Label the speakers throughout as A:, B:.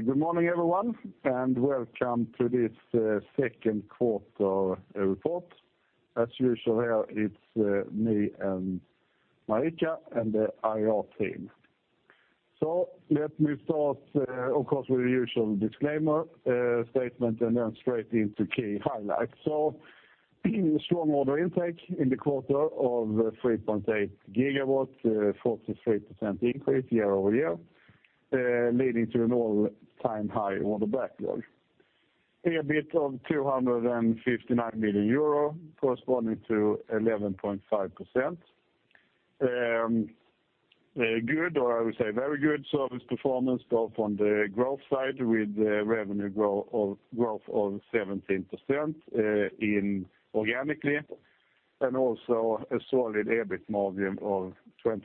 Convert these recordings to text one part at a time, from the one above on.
A: Good morning, everyone, and welcome to this second quarter report. As usual, it is me and Marika and the IR team. Let me start, of course, with the usual disclaimer statement and then straight into key highlights. Strong order intake in the quarter of 3.8 GW, 43% increase year-over-year, leading to an all-time high order backlog. EBIT of 259 million euro, corresponding to 11.5%. Good, or I would say very good, service performance, both on the growth side with the revenue growth of 17% organically, and also a solid EBIT margin of 25%.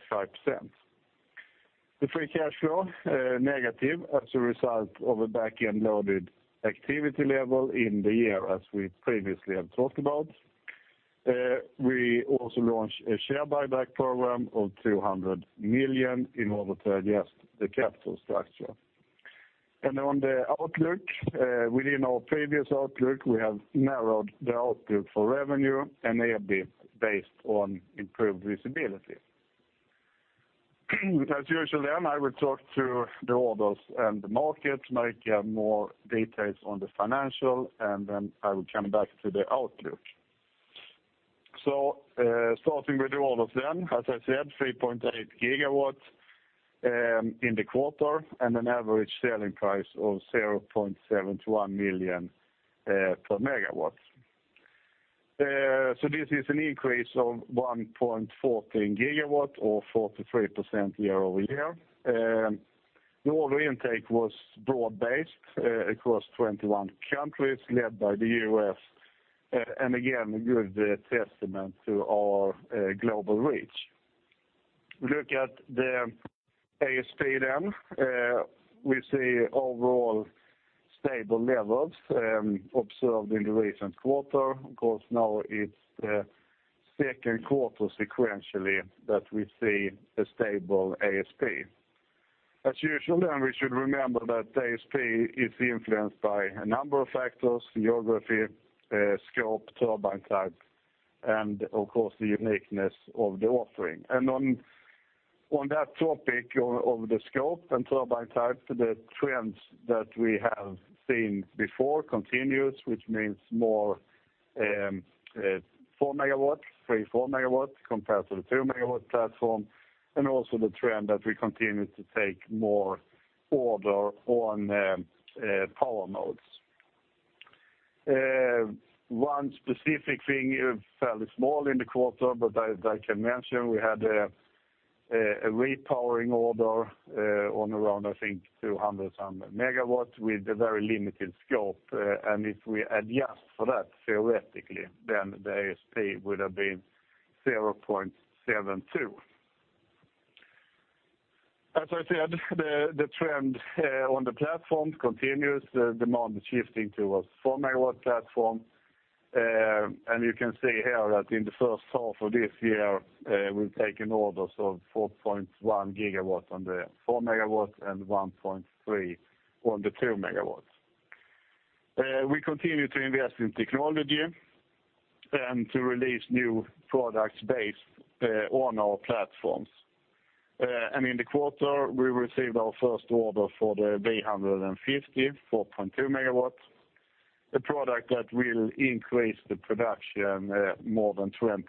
A: The free cash flow, negative as a result of a back-end loaded activity level in the year, as we previously have talked about. We also launched a share buyback program of 200 million in order to adjust the capital structure. On the outlook, within our previous outlook, we have narrowed the outlook for revenue and EBIT based on improved visibility. As usual, I will talk to the orders and the market, Marika have more details on the financial, and then I will come back to the outlook. Starting with the orders then, as I said, 3.8 GW in the quarter and an average selling price of 0.71 million per megawatt. This is an increase of 1.14 GW or 43% year-over-year. The order intake was broad-based across 21 countries, led by the U.S., and again, a good testament to our global reach. We look at the ASP then. We see overall stable levels observed in the recent quarter. Of course, now it is the second quarter sequentially that we see a stable ASP. As usual, we should remember that ASP is influenced by a number of factors: geography, scope, turbine type, and of course, the uniqueness of the offering. On that topic of the scope and turbine type, the trends that we have seen before continues, which means more 4 megawatts, 3, 4 megawatts, compared to the 2-megawatt platform, and also the trend that we continue to take more order on power modes. One specific thing, fairly small in the quarter, but I can mention, we had a repowering order on around, I think, 200 and some megawatts with a very limited scope. If we adjust for that theoretically, then the ASP would have been 0.72. As I said, the trend on the platforms continues, demand shifting towards 4-megawatt platform. You can see here that in the first half of this year, we have taken orders of 4.1 GW on the 4 megawatts and 1.3 GW on the 2 megawatts. We continue to invest in technology and to release new products based on our platforms. In the quarter, we received our first order for the V150-4.2 MW, a product that will increase the production more than 20%.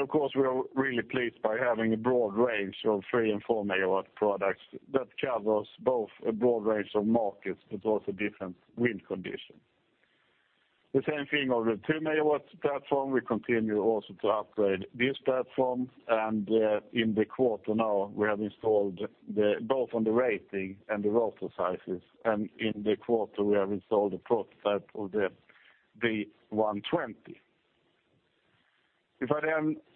A: Of course, we are really pleased by having a broad range of 3 and 4-megawatt products that covers both a broad range of markets, but also different wind conditions. The same thing on the 2-megawatt platform. We continue also to upgrade this platform, and in the quarter now, we have installed both on the rating and the rotor sizes, and in the quarter, we have installed a prototype of the V120. If I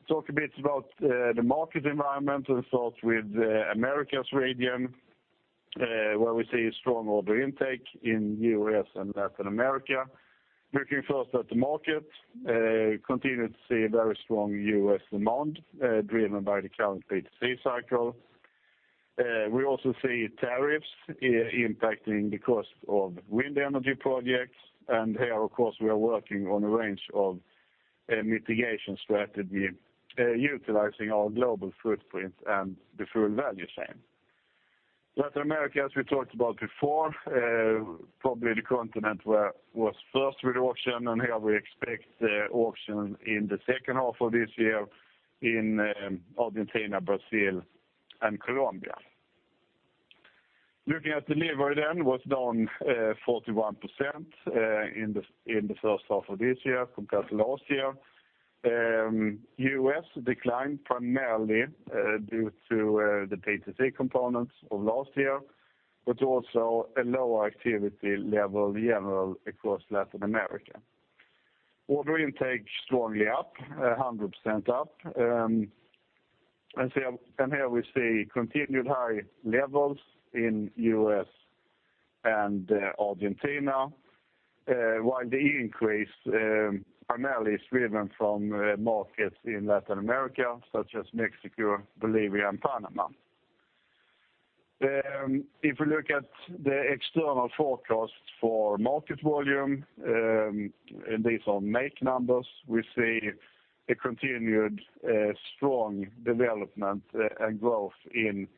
A: talk a bit about the market environment and start with Americas region, where we see strong order intake in U.S. and Latin America. Looking first at the market, continue to see very strong U.S. demand, driven by the current PTC cycle. We also see tariffs impacting the cost of wind energy projects. Here, of course, we are working on a range of mitigation strategy, utilizing our global footprint and the full value chain. Latin America, as we talked about before, probably the continent was first with auction. Here we expect the auction in the second half of this year in Argentina, Brazil, and Colombia. Looking at delivery, was down 41% in the first half of this year compared to last year. U.S. declined primarily due to the PTC components of last year, but also a lower activity level general across Latin America. Order intake strongly up, 100% up. Here we see continued high levels in U.S. and Argentina, while the increase primarily is driven from markets in Latin America such as Mexico, Bolivia, and Panama. If you look at the external forecast for market volume, these are MAKE numbers. We see a continued strong development and growth in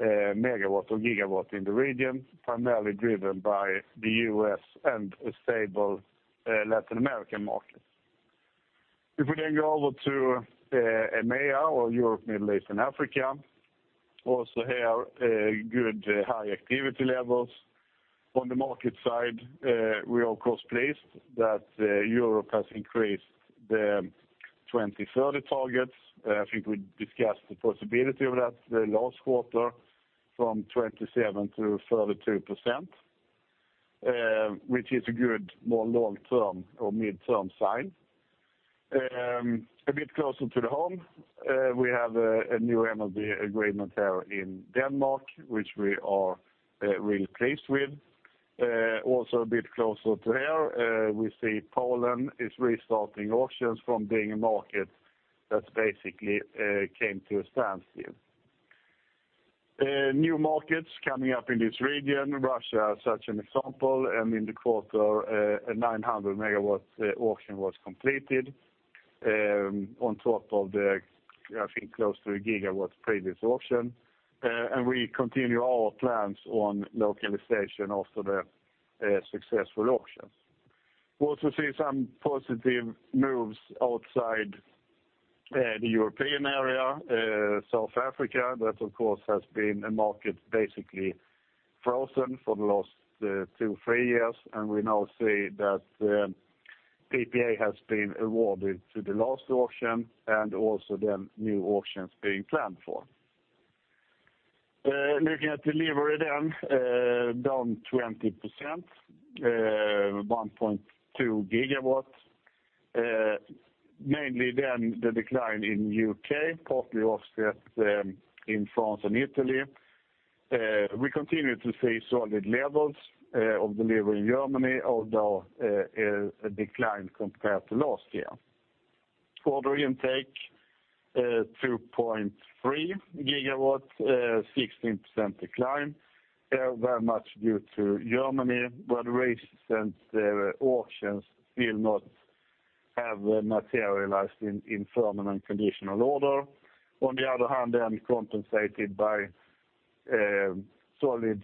A: MW or GW in the region, primarily driven by the U.S. and a stable Latin American market. If we go over to EMEA or Europe, Middle East, and Africa, also here, good high activity levels. On the market side, we are of course pleased that Europe has increased the 2030 targets. I think we discussed the possibility of that the last quarter from 27%-32%, which is a good more long-term or mid-term sign. A bit closer to home, we have a new MoD agreement here in Denmark, which we are really pleased with. Also a bit closer to here, we see Poland is restarting auctions from being a market that's basically came to a standstill. New markets coming up in this region, Russia, as such an example. In the quarter, a 900 MW auction was completed, on top of the, I think close to a GW previous auction. We continue our plans on localization after the successful auction. We also see some positive moves outside the European area. South Africa, that of course, has been a market basically frozen for the last two, three years. We now see that PPA has been awarded to the last auction and also new auctions being planned for. Looking at delivery, down 20%, 1.2 GW. Mainly the decline in U.K., partly offset in France and Italy. We continue to see solid levels of delivery in Germany, although a decline compared to last year. Order intake, 2.3 GW, 16% decline, very much due to Germany, where the recent auctions still not have materialized in firm and unconditional order. On the other hand, compensated by solid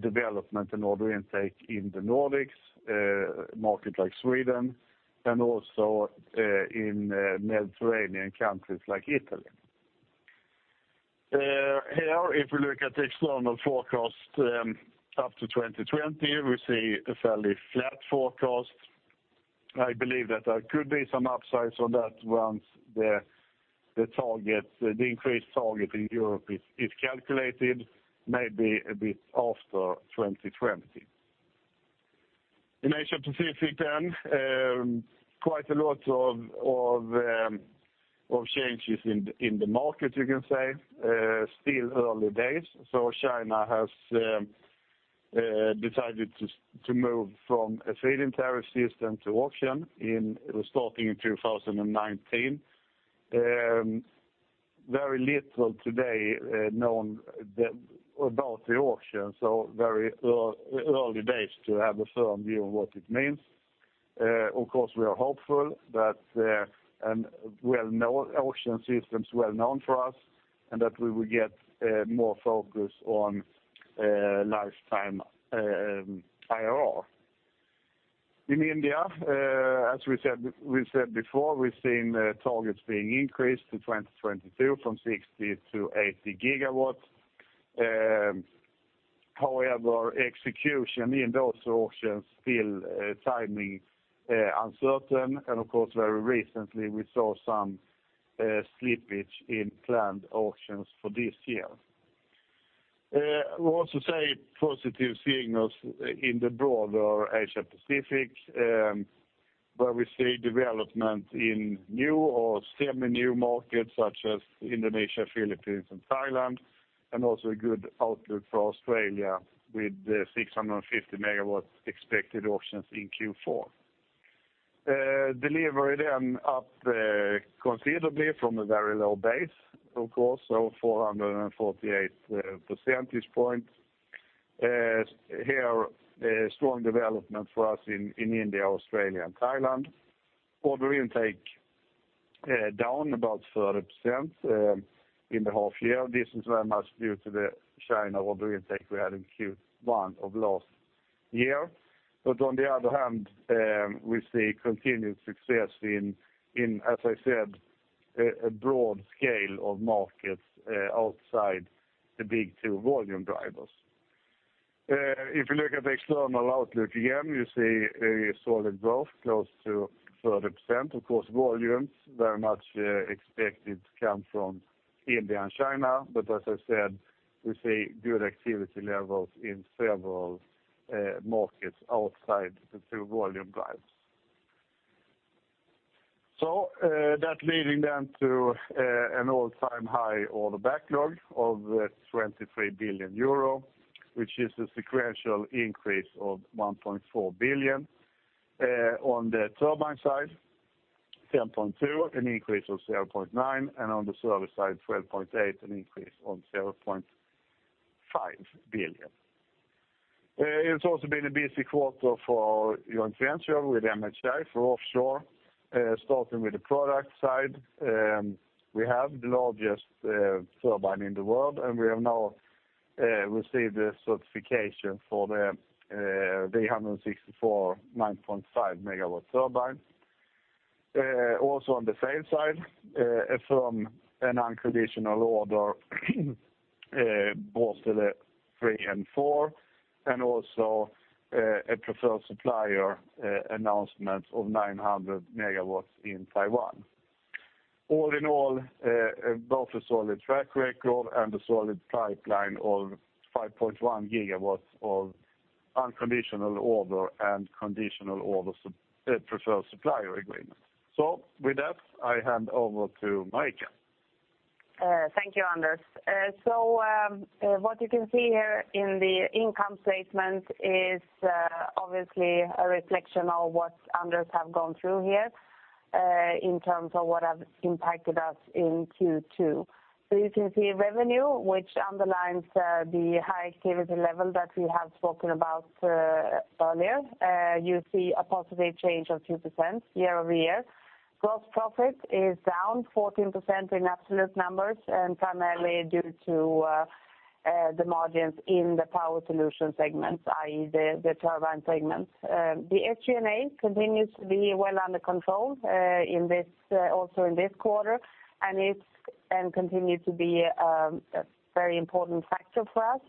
A: development and order intake in the Nordics, a market like Sweden, and also in Mediterranean countries like Italy. Here, if we look at the external forecast up to 2020, we see a fairly flat forecast. I believe that there could be some upside, so that once the increased target in Europe is calculated, maybe a bit after 2020. In Asia-Pacific, quite a lot of changes in the market, you can say. Still early days. China has decided to move from a feed-in tariff system to auction starting in 2019. Very little today known about the auction, very early days to have a firm view on what it means. Of course, we are hopeful that auction systems well-known for us, and that we will get more focus on lifetime IRR. In India, as we said before, we have seen targets being increased to 2022 from 60 to 80 GW. However, execution in those auctions, still timing uncertain, and of course, very recently, we saw some slippage in planned auctions for this year. We also see positive signals in the broader Asia-Pacific, where we see development in new or semi-new markets such as Indonesia, Philippines, and Thailand, and also a good outlook for Australia with the 650 MW expected auctions in Q4. Delivery up considerably from a very low base, of course, 448 percentage points. Here, strong development for us in India, Australia, and Thailand. Order intake down about 30% in the half year. This is very much due to the China order intake we had in Q1 of last year. On the other hand, we see continued success in, as I said, a broad scale of markets outside the big two volume drivers. If you look at the external outlook again, you see a solid growth close to 30%. Of course, volumes very much expected to come from India and China. As I said, we see good activity levels in several markets outside the two volume drivers. That leading then to an all-time high order backlog of 23 billion euro, which is a sequential increase of 1.4 billion. On the turbine side, 10.2, an increase of 7.9, and on the service side, 12.8, an increase of 7.5 billion. It has also been a busy quarter for joint venture with MHI for offshore. Starting with the product side, we have the largest turbine in the world, and we have now received the certification for the V164-9.5 MW turbine. Also on the sale side, from an unconditional order, both to the three and four, and also a preferred supplier announcement of 900 MW in Taiwan. All in all, both a solid track record and a solid pipeline of 5.1 GW of unconditional order and conditional order preferred supplier agreement. With that, I hand over to Marika.
B: Thank you, Anders. What you can see here in the income statement is obviously a reflection of what Anders have gone through here in terms of what has impacted us in Q2. You can see revenue, which underlines the high activity level that we have spoken about earlier. You see a positive change of 2% year-over-year. Gross profit is down 14% in absolute numbers, and primarily due to the margins in the Power Solutions segments, i.e., the turbine segments. The SG&A continues to be well under control also in this quarter, and it has continued to be a very important factor for us.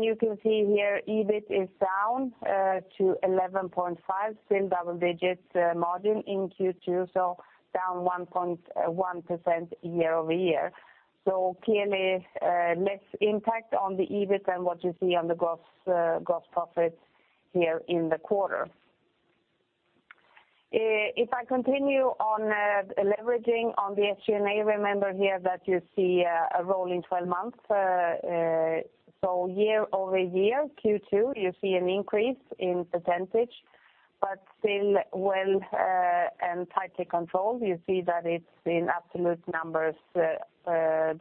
B: You can see here, EBIT is down to 11.5, still double digits margin in Q2, down 1.1% year-over-year. Clearly, less impact on the EBIT than what you see on the gross profit here in the quarter. If I continue on leveraging on the SG&A, remember here that you see a rolling 12 months, year-over-year, Q2, you see an increase in percentage, but still well and tightly controlled. You see that it is in absolute numbers, the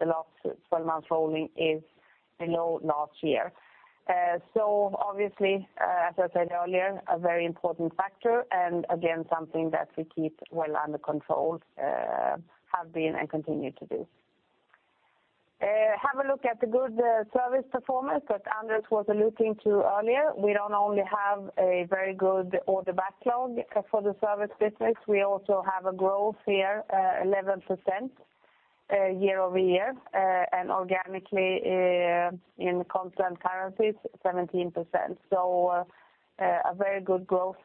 B: last 12 months rolling is below last year. Obviously, as I said earlier, a very important factor and again, something that we keep well under control, have been, and continue to do. Have a look at the good service performance that Anders was alluding to earlier. We don't only have a very good order backlog for the service business, we also have a growth here, 11% year-over-year, and organically in constant currencies, 17%. A very good growth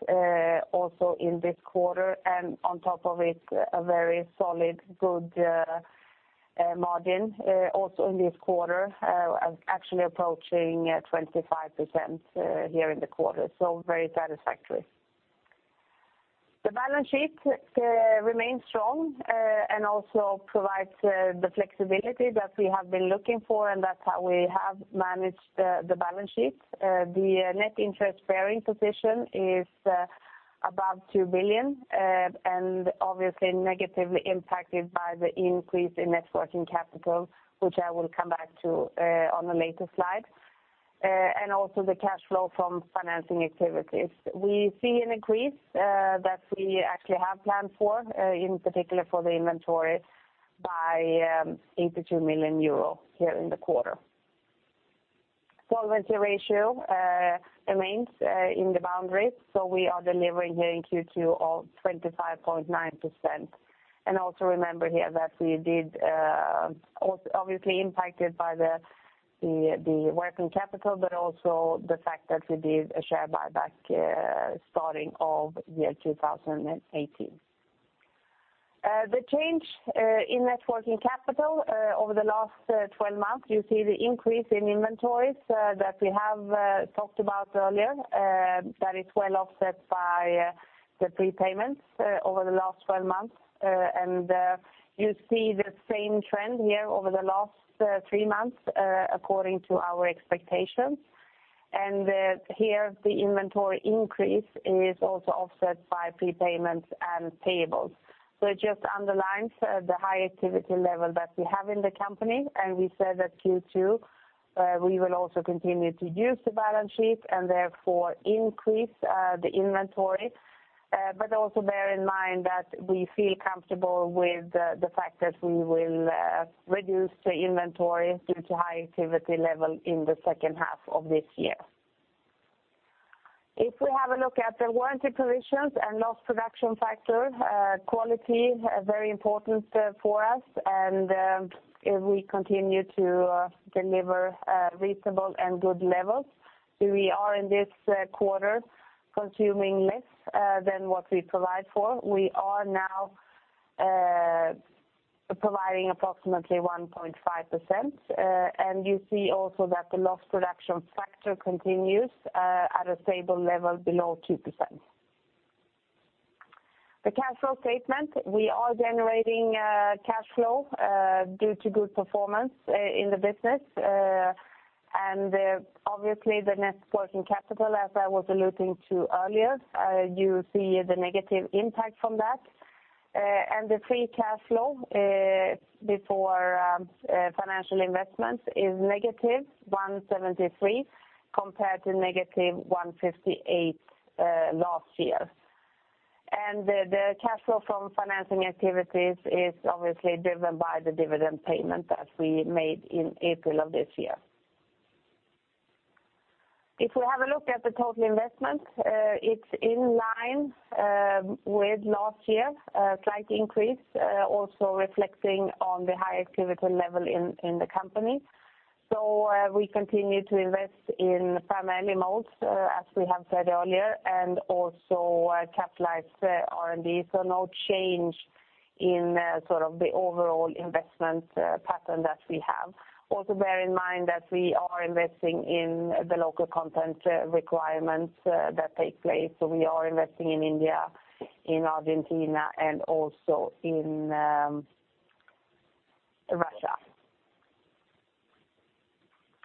B: also in this quarter and on top of it, a very solid, good margin also in this quarter, actually approaching 25% here in the quarter, so very satisfactory. The balance sheet remains strong and also provides the flexibility that we have been looking for, and that is how we have managed the balance sheet. The net interest-bearing position is above 2 billion, and obviously negatively impacted by the increase in net working capital, which I will come back to on a later slide. Also the cash flow from financing activities. We see an increase that we actually have planned for, in particular for the inventory, by 82 million euro here in the quarter. Solvency ratio remains in the boundaries, so we are delivering here in Q2 of 25.9%. Also remember here that we did, obviously impacted by the working capital, but also the fact that we did a share buyback starting of year 2018. The change in net working capital over the last 12 months, you see the increase in inventories that we have talked about earlier. That is well offset by the prepayments over the last 12 months. You see the same trend here over the last three months according to our expectations. Here, the inventory increase is also offset by prepayments and payables, which just underlines the high activity level that we have in the company. We said that Q2, we will also continue to use the balance sheet and therefore increase the inventory. But also bear in mind that we feel comfortable with the fact that we will reduce the inventory due to high activity level in the second half of this year. If we have a look at the warranty provisions and lost production factor, quality, very important for us, and we continue to deliver reasonable and good levels. We are in this quarter consuming less than what we provide for. We are now providing approximately 1.5%. You see also that the loss production factor continues at a stable level below 2%. The cash flow statement, we are generating cash flow due to good performance in the business. Obviously, the net working capital, as I was alluding to earlier, you see the negative impact from that. The free cash flow before financial investments is negative 173 compared to negative 158 last year. The cash flow from financing activities is obviously driven by the dividend payment that we made in April of this year. If we have a look at the total investment, it is in line with last year, a slight increase also reflecting on the higher activity level in the company. We continue to invest in farm-ins as we have said earlier, and also capitalize R&D. No change in the overall investment pattern that we have. Bear in mind that we are investing in the local content requirements that take place. We are investing in India, in Argentina, and also in Russia.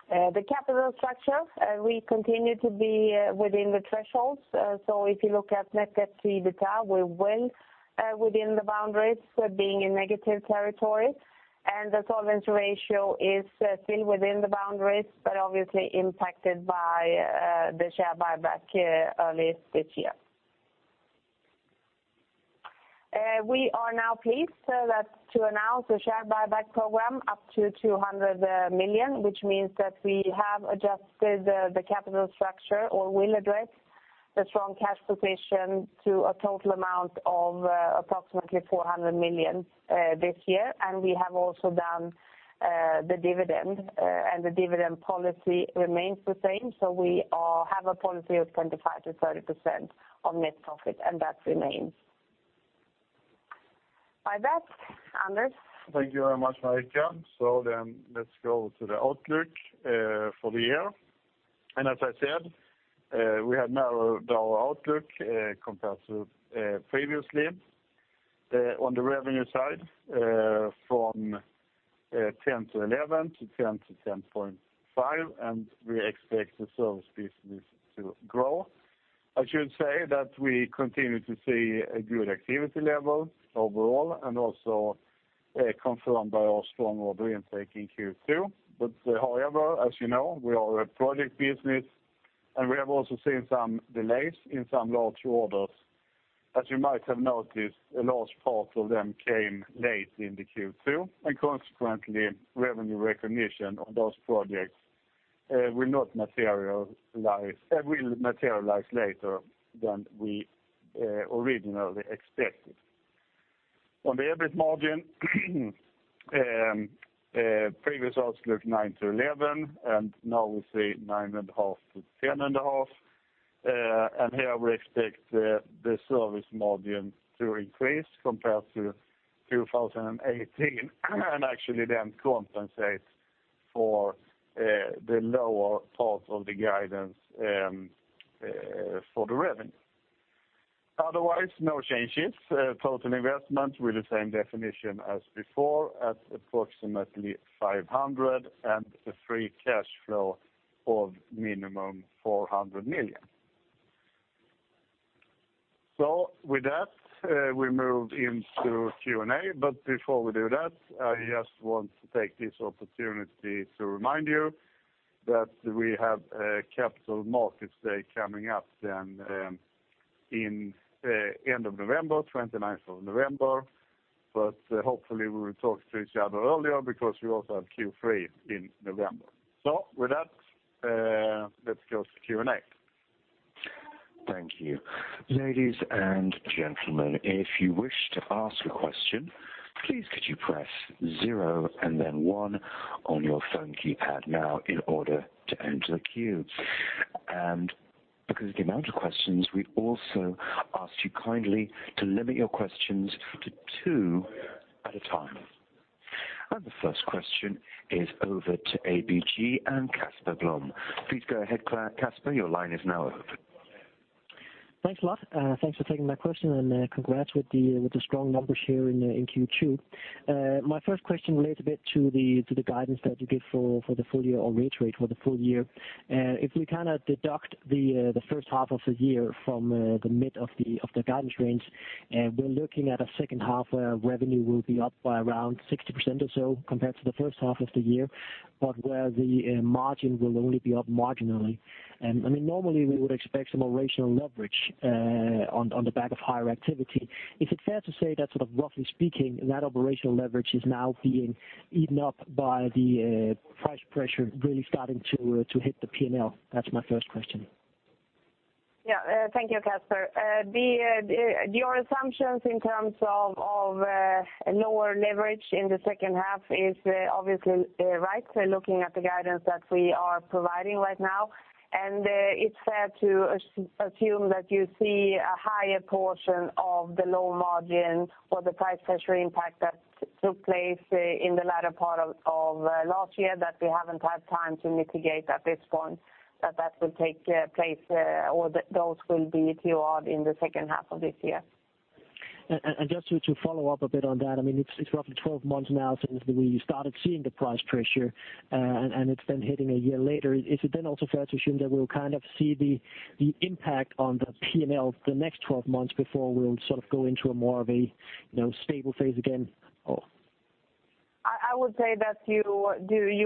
B: The capital structure, we continue to be within the thresholds. If you look at net debt to EBITDA, we are well within the boundaries, being in negative territory. The solvency ratio is still within the boundaries, but obviously impacted by the share buyback earlier this year. We are now pleased to announce a share buyback program up to 200 million, which means that we have adjusted the capital structure or will address the strong cash position to a total amount of approximately 400 million this year. We have also done the dividend, and the dividend policy remains the same. We have a policy of 25%-30% on net profit, and that remains. By that, Anders?
A: Thank you very much, Marika. Let's go to the outlook for the year. As I said, we have narrowed our outlook compared to previously on the revenue side from 10%-11% to 10%-10.5%, and we expect the service business to grow. I should say that we continue to see a good activity level overall and also confirmed by our strong order intake in Q2. However, as you know, we are a project business and we have also seen some delays in some large orders. As you might have noticed, a large part of them came late in the Q2, and consequently, revenue recognition on those projects will materialize later than we originally expected. On the EBIT margin, previous outlook 9%-11%, and now we see 9.5%-10.5%. Here we expect the service margin to increase compared to 2018 and actually then compensate for the lower part of the guidance for the revenue. Otherwise, no changes. Total investment with the same definition as before at approximately 500 million and a free cash flow of minimum 400 million. With that, we move into Q&A, but before we do that, I just want to take this opportunity to remind you that we have a Capital Markets Day coming up in end of November, 29th of November. Hopefully we will talk to each other earlier because we also have Q3 in November. With that, let's go to Q&A.
C: Thank you. Ladies and gentlemen, if you wish to ask a question, please could you press zero and then one on your phone keypad now in order to enter the queue. Because of the amount of questions, we also ask you kindly to limit your questions to two at a time. The first question is over to ABG and Casper Blom. Please go ahead, Casper. Your line is now open.
D: Thanks a lot. Thanks for taking my question and congrats with the strong numbers here in Q2. My first question relates a bit to the guidance that you give for the full year or rate for the full year. If we deduct the first half of the year from the mid of the guidance range, we're looking at a second half where revenue will be up by around 60% or so compared to the first half of the year, but where the margin will only be up marginally. Normally we would expect some operational leverage on the back of higher activity. Is it fair to say that roughly speaking, that operational leverage is now being eaten up by the price pressure really starting to hit the P&L? That's my first question.
B: Yeah. Thank you, Casper. Your assumptions in terms of lower leverage in the second half is obviously right, looking at the guidance that we are providing right now. It's fair to assume that you see a higher portion of the low margin or the price pressure impact that took place in the latter part of last year that we haven't had time to mitigate at this point, that will take place, or those will be paid in the second half of this year.
D: Just to follow up a bit on that, it's roughly 12 months now since we started seeing the price pressure, and it's been hitting a year later. Is it then also fair to assume that we'll see the impact on the P&L the next 12 months before we'll sort of go into a more of a stable phase again?
B: I would say that you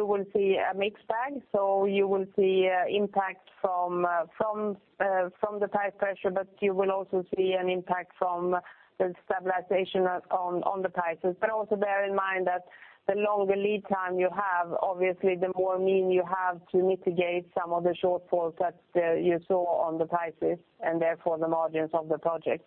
B: will see a mixed bag. You will see impact from the price pressure, but you will also see an impact from the stabilization on the prices. Also bear in mind that the longer lead time you have, obviously the more mean you have to mitigate some of the shortfalls that you saw on the prices, and therefore the margins of the project.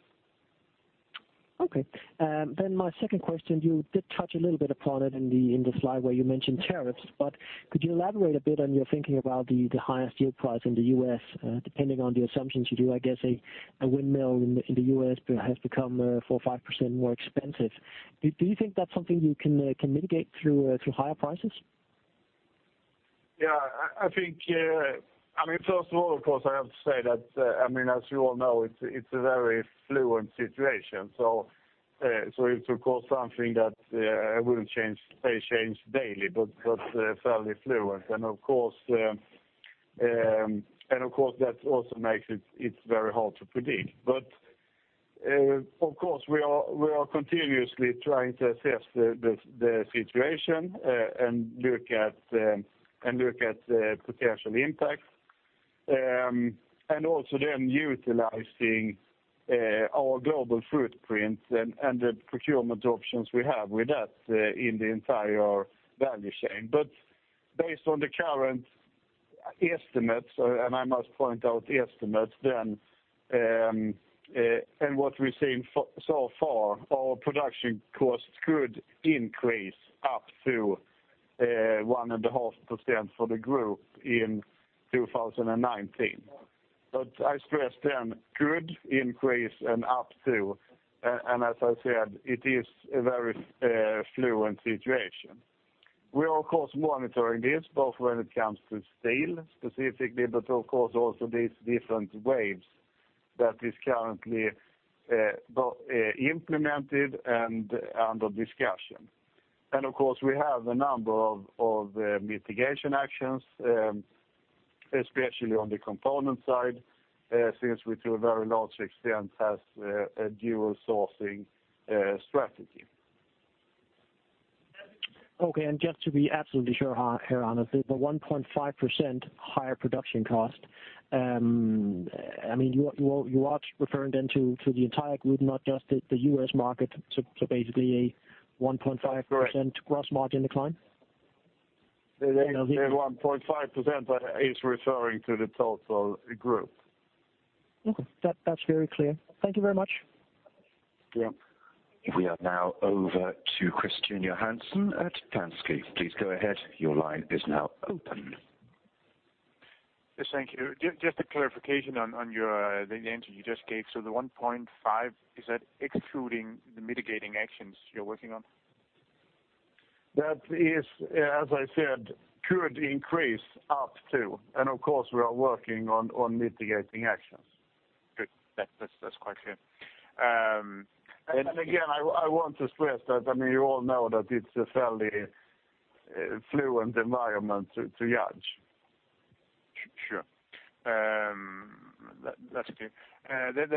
D: My second question, you did touch a little bit upon it in the slide where you mentioned tariffs, but could you elaborate a bit on your thinking about the higher steel price in the U.S., depending on the assumptions you do? I guess a windmill in the U.S. has become 4% or 5% more expensive. Do you think that's something you can mitigate through higher prices?
A: Yeah. First of all, of course, I have to say that, as you all know, it's a very fluent situation. It's, of course, something that will change daily, but fairly fluent. Of course, that also makes it very hard to predict. Of course, we are continuously trying to assess the situation, and look at the potential impacts. Also then utilizing our global footprint and the procurement options we have with that in the entire value chain. Based on the current estimates, and I must point out the estimates, and what we've seen so far, our production costs could increase up to 1.5% for the group in 2019. But I stress again, could increase and up to, as I said, it is a very fluent situation. We are, of course, monitoring this, both when it comes to steel specifically, but of course also these different waves that is currently both implemented and under discussion. Of course, we have a number of mitigation actions, especially on the component side, since we to a very large extent have a dual sourcing strategy.
D: Okay, just to be absolutely sure here, Anders, the 1.5% higher production cost, you are referring then to the entire group, not just the U.S. market, so basically a 1.5%-
A: Correct
D: gross margin decline?
A: The 1.5% is referring to the total group.
D: Okay. That's very clear. Thank you very much.
A: Yeah.
C: We are now over to Christian Johansen at Danske. Please go ahead, your line is now open.
E: Yes, thank you. Just a clarification on the answer you just gave. The 1.5, is that excluding the mitigating actions you're working on?
A: That is, as I said, could increase up to, of course, we are working on mitigating actions.
E: Good. That's quite clear.
A: Again, I want to stress that, you all know that it's a fairly fluent environment to judge.
E: Sure. That's clear.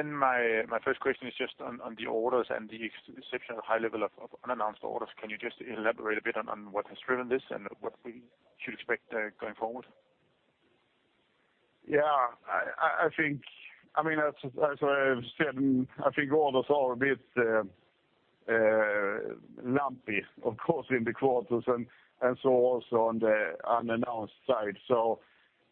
E: My first question is just on the orders and the exceptionally high level of unannounced orders. Can you just elaborate a bit on what has driven this and what we should expect going forward?
A: Yeah. As I said, I think orders are a bit lumpy, of course, in the quarters, also on the unannounced side.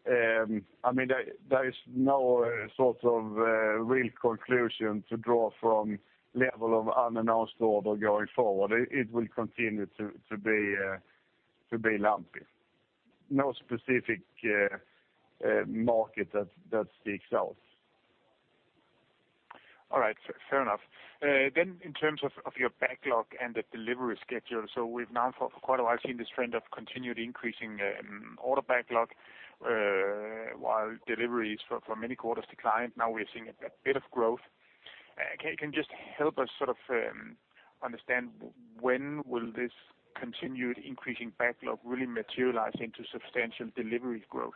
A: There is no sort of real conclusion to draw from level of unannounced order going forward. It will continue to be lumpy. No specific market that sticks out.
E: All right. Fair enough. In terms of your backlog and the delivery schedule, we've now for quite a while seen this trend of continued increasing order backlog, while deliveries for many quarters declined. Now we're seeing a bit of growth. Can you just help us sort of understand when will this continued increasing backlog really materialize into substantial delivery growth?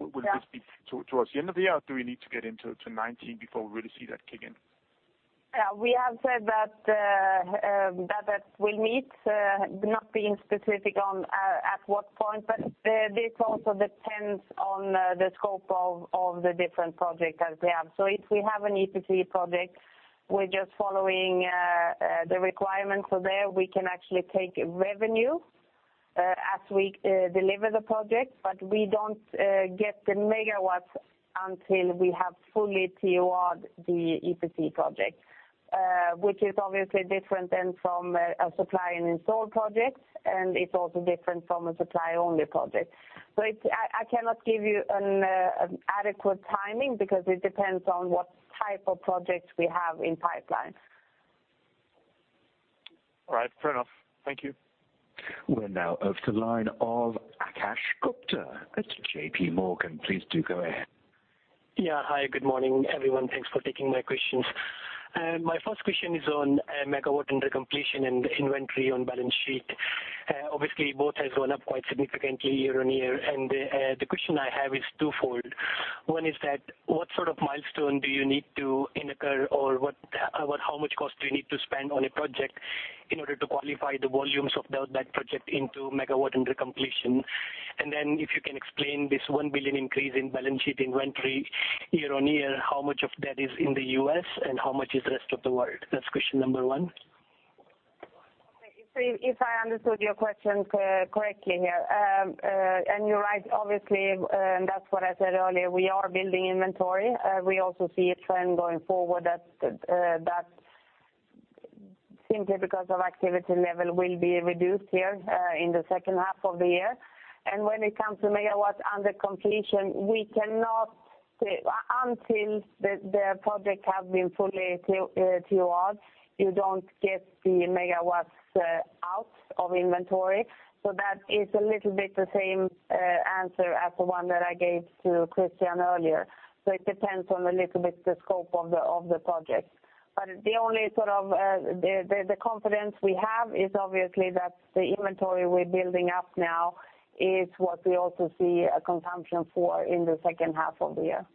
B: Yeah.
E: Will this be towards the end of the year, or do we need to get into 2019 before we really see that kick in?
B: We have said that we'll meet, not being specific on at what point, but this also depends on the scope of the different project as we have. If we have an EPC project, we're just following the requirements for there. We can actually take revenue as we deliver the projects, but we don't get the megawatts until we have fully TO'd the EPC project, which is obviously different than from a supply and install projects, and it's also different from a supply-only project. I cannot give you an adequate timing because it depends on what type of projects we have in pipeline.
E: All right, fair enough. Thank you.
C: We're now over to the line of Akash Gupta at JPMorgan Chase. Please do go ahead.
F: Yeah. Hi, good morning, everyone. Thanks for taking my questions. My first question is on megawatt under completion and inventory on balance sheet. Obviously, both has gone up quite significantly year-on-year. The question I have is twofold. One is that what sort of milestone do you need to incur, or how much cost do you need to spend on a project in order to qualify the volumes of that project into megawatt under completion? If you can explain this 1 billion increase in balance sheet inventory year-on-year, how much of that is in the U.S. and how much is the rest of the world? That's question number 1.
B: If I understood your question correctly here, and you're right, obviously, and that's what I said earlier, we are building inventory. We also see a trend going forward that simply because of activity level will be reduced here in the second half of the year. When it comes to MW under completion, until the project have been fully TO'd, you don't get the MW out of inventory. That is a little bit the same answer as the one that I gave to Christian earlier. It depends on a little bit the scope of the project. The confidence we have is obviously that the inventory we're building up now is what we also see a consumption for in the second half of the year.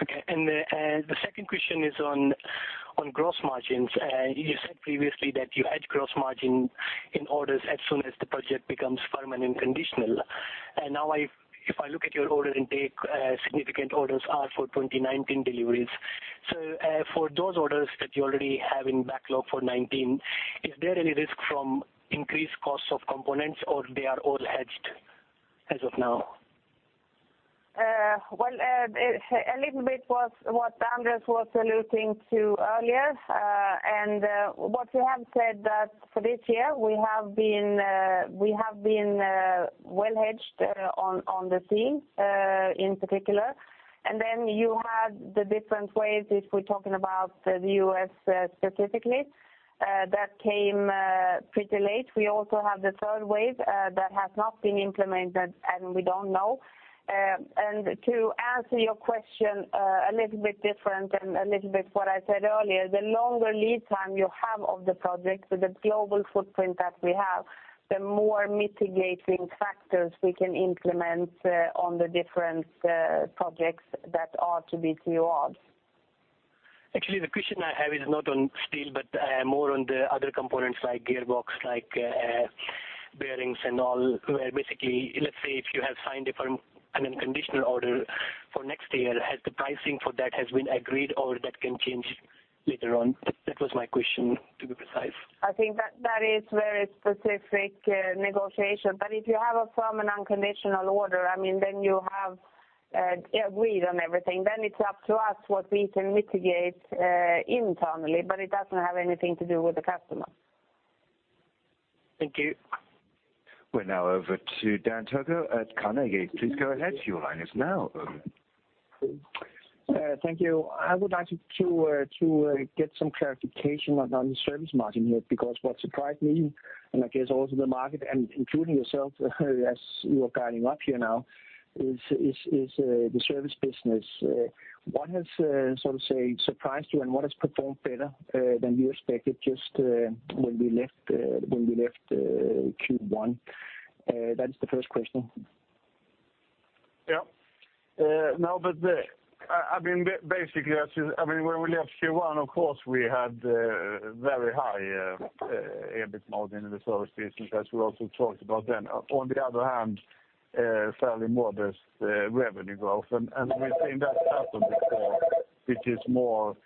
F: Okay. The second question is on gross margins. You said previously that you hedge gross margin in orders as soon as the project becomes firm and unconditional. Now if I look at your order intake, significant orders are for 2019 deliveries. For those orders that you already have in backlog for 2019, is there any risk from increased costs of components, or they are all hedged as of now?
B: Well, a little bit was what Anders was alluding to earlier. What we have said that for this year, we have been well hedged on the steel, in particular. Then you had the different waves, if we're talking about the U.S. specifically, that came pretty late. We also have the third wave that has not been implemented, and we don't know. To answer your question a little bit different and a little bit what I said earlier, the longer lead time you have of the project with the global footprint that we have, the more mitigating factors we can implement on the different projects that are to be TO'd.
F: Actually, the question I have is not on steel, but more on the other components like gearbox, like bearings and all. Basically, let's say if you have signed a firm and unconditional order for next year, has the pricing for that has been agreed or that can change later on? That was my question, to be precise.
B: I think that is very specific negotiation. If you have a firm and unconditional order, you have agreed on everything. It's up to us what we can mitigate internally, but it doesn't have anything to do with the customer.
F: Thank you.
C: We are now over to Dan Togo Jensen at Carnegie. Please go ahead, your line is now open.
G: Thank you. I would like to get some clarification on the service margin here, because what surprised me, and I guess also the market and including yourself as you are guiding up here now, is the service business. What has surprised you, and what has performed better than you expected just when we left Q1? That's the first question.
A: Yeah. Basically when we left Q1, of course, we had very high EBIT margin in the service business, as we also talked about then. On the other hand, fairly modest revenue growth. We've seen that happen before, which is more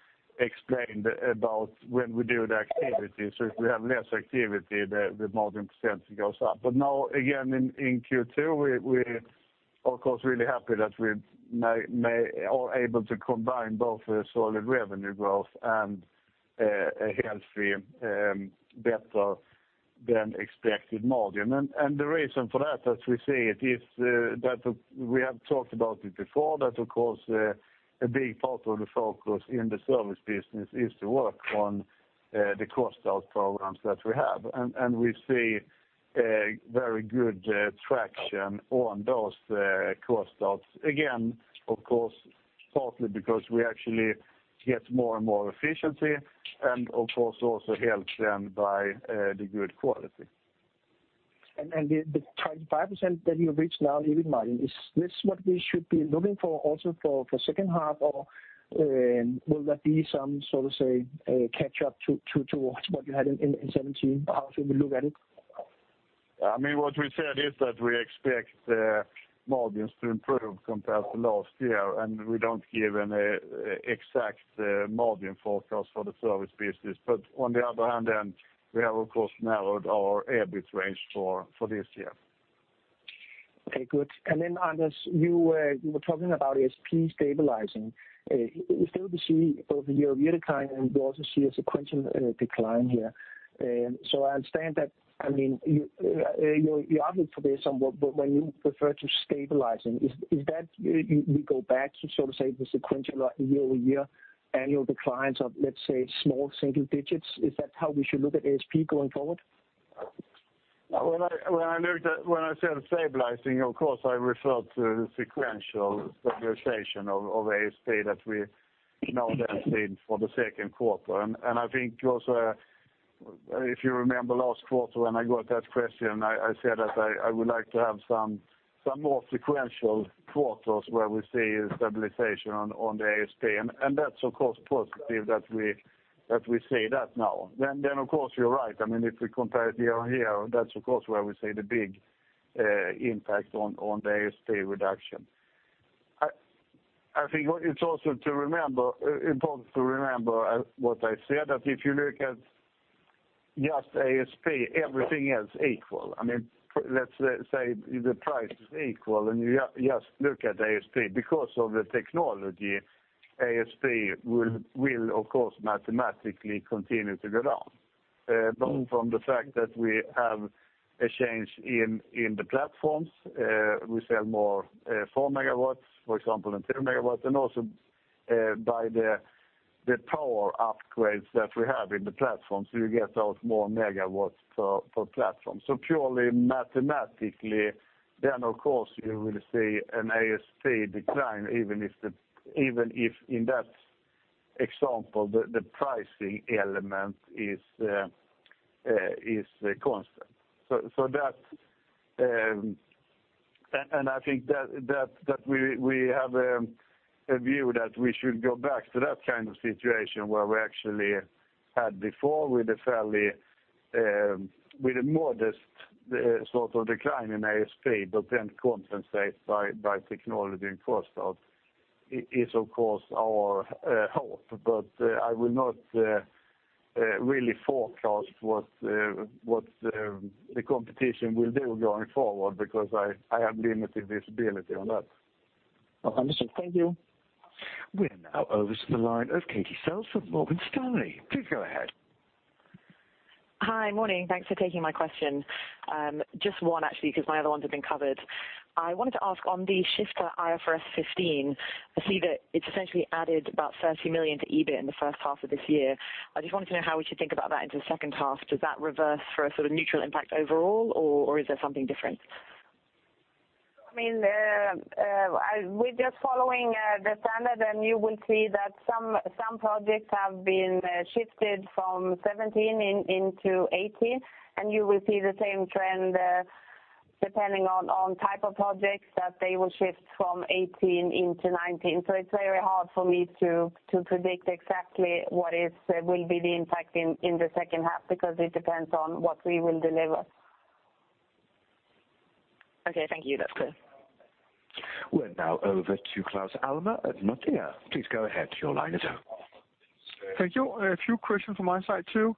A: explained about when we do the activity. If we have less activity, the margin percentage goes up. Now again in Q2, we of course really happy that we are able to combine both solid revenue growth and a healthy better than expected margin. The reason for that, as we see it, is that we have talked about it before, that of course a big part of the focus in the service business is to work on the cost out programs that we have. We see very good traction on those cost outs. Of course, partly because we actually get more and more efficiency and of course also helped then by the good quality.
G: The 25% that you reach now, EBIT margin, is this what we should be looking for also for second half, or will there be some sort of say, catch up to what you had in 2017? How should we look at it?
A: What we said is that we expect the margins to improve compared to last year, and we don't give an exact margin forecast for the service business. On the other hand, then we have, of course, narrowed our EBIT range for this year.
G: Okay, good. Anders, you were talking about ASP stabilizing. We still see year-over-year decline, we also see a sequential decline here. I understand that, your outlook for this, but when you refer to stabilizing, is that we go back to the sequential year-over-year annual declines of, let's say, small single digits. Is that how we should look at ASP going forward?
A: When I said stabilizing, of course, I referred to the sequential stabilization of ASP that we have now seen for the second quarter. I think also, if you remember last quarter when I got that question, I said that I would like to have some more sequential quarters where we see a stabilization on the ASP. That's, of course, positive that we see that now. Of course, you're right. If we compare it year-on-year, that's of course where we see the big impact on the ASP reduction. I think it's also important to remember what I said, that if you look at just ASP, everything else equal. Let's say the price is equal, and you just look at ASP. Because of the technology, ASP will, of course, mathematically continue to go down, both from the fact that we have a change in the platforms. We sell more 4 megawatts, for example, than 2 megawatts, also by the power upgrades that we have in the platforms, you get out more megawatts per platform. Purely mathematically, of course, you will see an ASP decline, even if in that example, the pricing element is constant. I think that we have a view that we should go back to that kind of situation where we actually had before with a modest sort of decline in ASP, but then compensated by technology and cost out is, of course, our hope. I will not really forecast what the competition will do going forward, because I have limited visibility on that.
G: Understood. Thank you.
C: We are now over to the line of Katie Self of Morgan Stanley. Please go ahead.
H: Hi. Morning. Thanks for taking my question. Just one, actually, because my other ones have been covered. I wanted to ask on the shift to IFRS 15. I see that it's essentially added about 30 million to EBIT in the first half of this year. I just wanted to know how we should think about that into the second half. Does that reverse for a sort of neutral impact overall, or is there something different?
B: We are just following the standard, and you will see that some projects have been shifted from 2017 into 2018, and you will see the same trend depending on type of projects, that they will shift from 2018 into 2019. It's very hard for me to predict exactly what will be the impact in the second half, because it depends on what we will deliver.
H: Okay, thank you. That's clear.
C: We are now over to Claus Almer at Nordea. Please go ahead. Your line is open.
I: Thank you. A few questions from my side, too.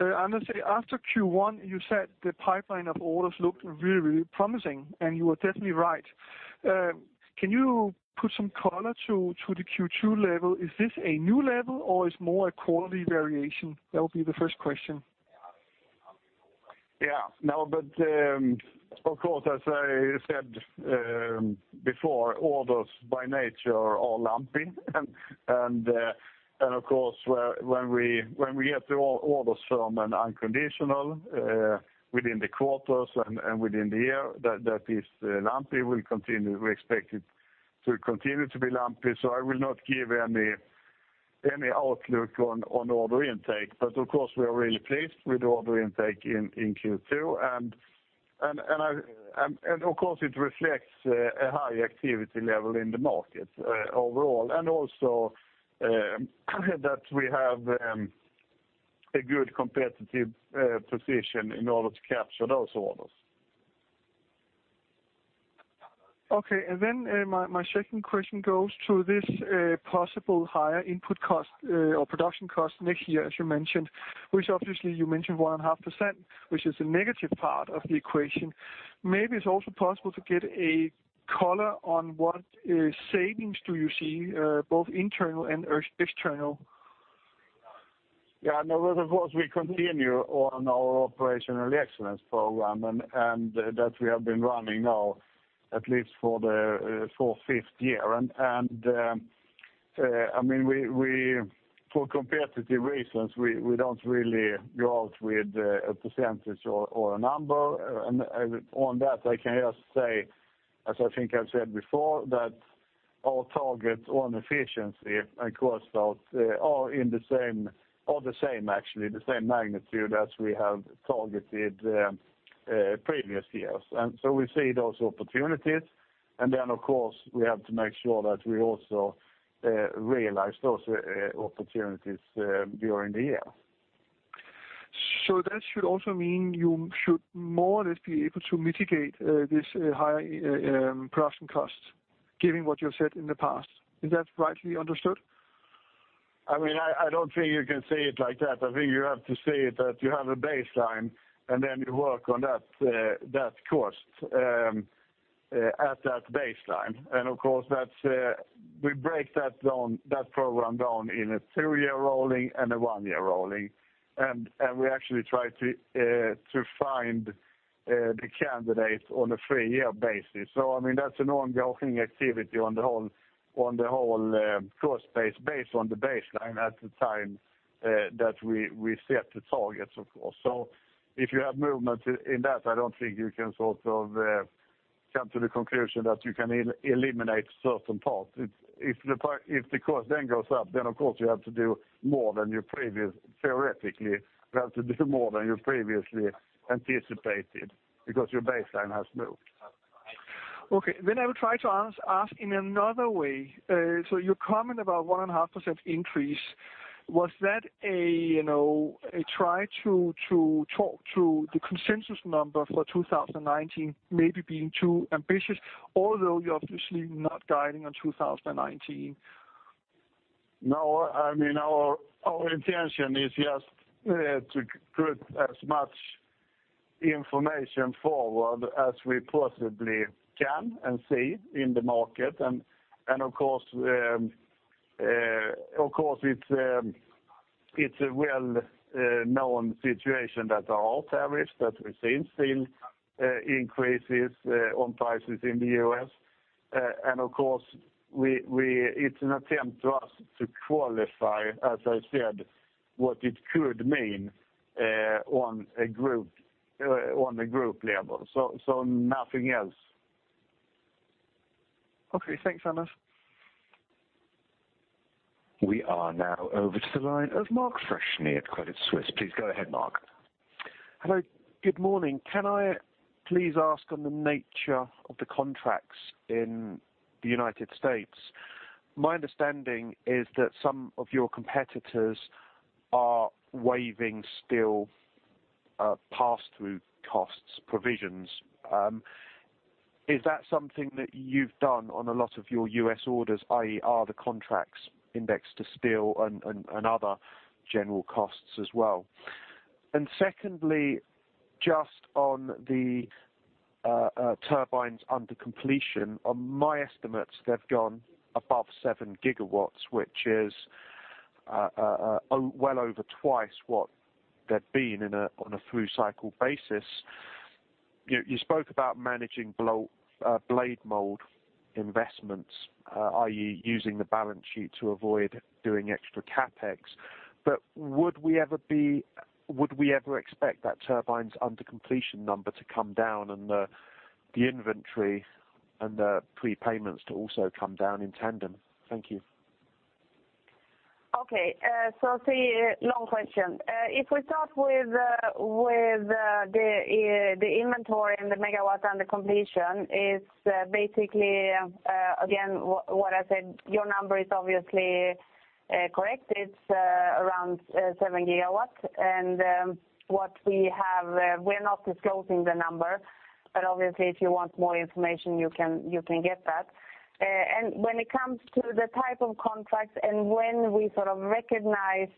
I: Anders, after Q1, you said the pipeline of orders looked really promising, you were definitely right. Can you put some color to the Q2 level? Is this a new level or is more a quality variation? That would be the first question.
A: No, of course, as I said before, orders by nature are all lumpy. Of course, when we get the orders from an unconditional within the quarters and within the year, that is lumpy will continue. We expect it to continue to be lumpy. I will not give any outlook on order intake. Of course, we are really pleased with the order intake in Q2. Of course, it reflects a high activity level in the market overall and also that we have a good competitive position in order to capture those orders.
I: Then my second question goes to this possible higher input cost or production cost next year, as you mentioned, which obviously you mentioned 1.5%, which is a negative part of the equation. Maybe it is also possible to get a color on what savings do you see, both internal and external?
A: Yeah, no, of course, we continue on our operational excellence program, that we have been running now at least for fifth year. For competitive reasons, we don't really go out with a percentage or a number. On that, I can just say, as I think I've said before, that our target on efficiency and cost out are the same, actually, the same magnitude as we have targeted previous years. We see those opportunities. Of course, we have to make sure that we also realize those opportunities during the year.
I: That should also mean you should more or less be able to mitigate this high production cost, given what you've said in the past. Is that rightly understood?
A: I don't think you can say it like that. I think you have to say that you have a baseline, then you work on that cost at that baseline. Of course, we break that program down in a two-year rolling and a one-year rolling. We actually try to find the candidates on a three-year basis. That's an ongoing activity on the whole cost base on the baseline at the time that we set the targets, of course. If you have movement in that, I don't think you can sort of come to the conclusion that you can eliminate certain parts. If the cost goes up, of course, you have to do more than your previous, theoretically, you have to do more than you previously anticipated because your baseline has moved.
I: Okay. I will try to ask in another way. Your comment about 1.5% increase, was that a try to talk to the consensus number for 2019 maybe being too ambitious, although you're obviously not guiding on 2019?
A: No, our intention is just to put as much information forward as we possibly can and see in the market. Of course, it's a well-known situation that our average, that we've seen steel increases on prices in the U.S. Of course, it's an attempt to us to qualify, as I said, what it could mean on the group level. Nothing else.
I: Okay. Thanks, Anders.
C: We are now over to the line of Mark Freshney at Credit Suisse. Please go ahead, Mark.
J: Hello. Good morning. Can I please ask on the nature of the contracts in the United States? My understanding is that some of your competitors are waiving steel pass-through costs provisions. Is that something that you've done on a lot of your U.S. orders, i.e., are the contracts indexed to steel and other general costs as well? Secondly, just on the turbines under completion, on my estimates, they've gone above 7 GW, which is well over twice what they've been on a through-cycle basis. You spoke about managing blade mold investments, i.e., using the balance sheet to avoid doing extra CapEx. Would we ever expect that turbines under completion number to come down and the inventory and the prepayments to also come down in tandem? Thank you.
B: Okay. Three, long question. If we start with the inventory and the megawatts under completion, it's basically, again, what I said, your number is obviously correct. It's around 7 GW. We're not disclosing the number, but obviously, if you want more information, you can get that. When it comes to the type of contracts and when we sort of recognize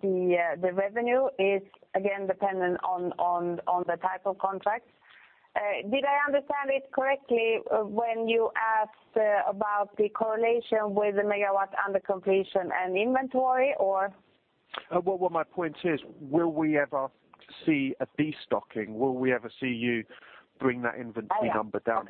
B: the revenue is again, dependent on the type of contracts. Did I understand it correctly when you asked about the correlation with the megawatts under completion and inventory, or?
J: What my point is, will we ever see a destocking? Will we ever see you bring that inventory number down?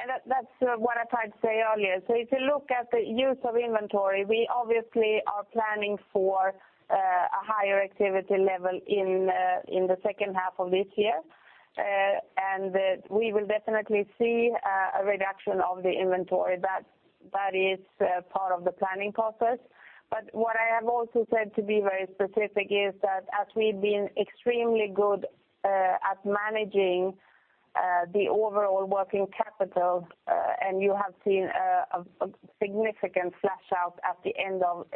B: Okay. That's what I tried to say earlier. If you look at the use of inventory, we obviously are planning for a higher activity level in the second half of this year. We will definitely see a reduction of the inventory. That is part of the planning process. What I have also said to be very specific is that as we've been extremely good at managing the overall working capital, you have seen a significant flush out at the end of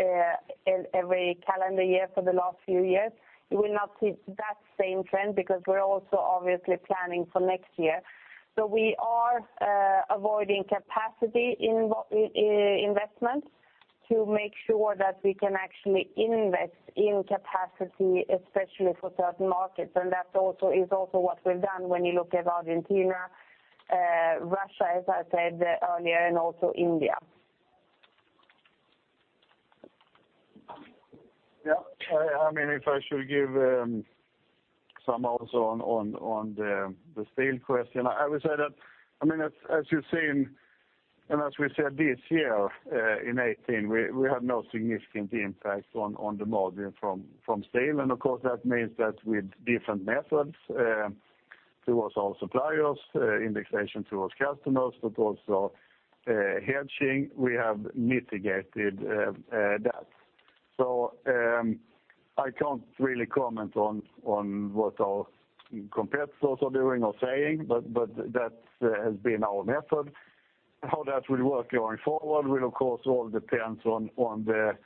B: every calendar year for the last few years, you will not see that same trend because we're also obviously planning for next year. We are avoiding capacity investments to make sure that we can actually invest in capacity, especially for certain markets. That is also what we've done when you look at Argentina, Russia, as I said earlier, and also India.
A: If I should give some also on the steel question, I would say that, as you've seen as we said this year, in 2018, we have no significant impact on the module from steel. Of course, that means that with different methods towards our suppliers, indexation towards customers, but also hedging, we have mitigated that. I can't really comment on what our competitors are doing or saying, but that has been our method. How that will work going forward will of course all depend on the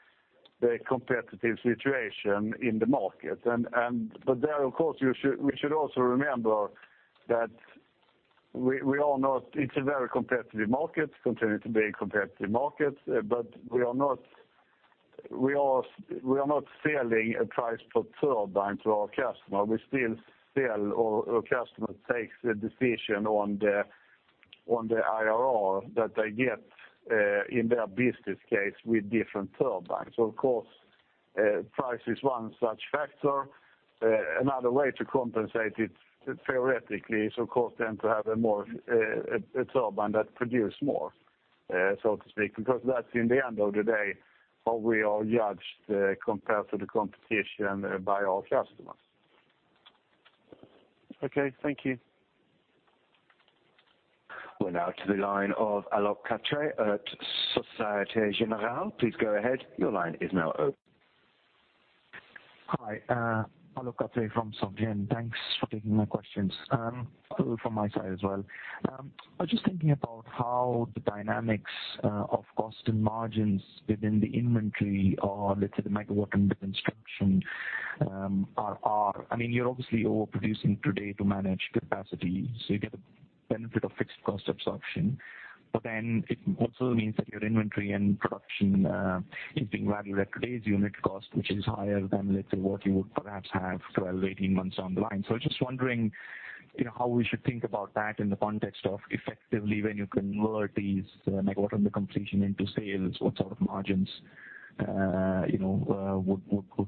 A: competitive situation in the market. There, of course, we should also remember that it's a very competitive market, continuing to be a competitive market, we are not selling a price per turbine to our customer. Our customer takes the decision on the IRR that they get in their business case with different turbines. Price is one such factor. Another way to compensate it theoretically is of course to have a turbine that produce more, so to speak. That's in the end of the day how we are judged compared to the competition by our customers.
J: Okay, thank you.
C: We're now to the line of Alok Katre at Société Générale. Please go ahead. Your line is now open.
K: Hi, Alok Kataria from Soc Gen. Thanks for taking my questions. A follow-up from my side as well. I was just thinking about how the dynamics of cost and margins within the inventory or, let's say, the megawatt under construction are. You're obviously overproducing today to manage capacity, you get a benefit of fixed cost absorption. It also means that your inventory and production is being valued at today's unit cost, which is higher than, let's say, what you would perhaps have 12, 18 months down the line. Just wondering, how we should think about that in the context of effectively when you convert these megawatt under completion into sales, what sort of margins would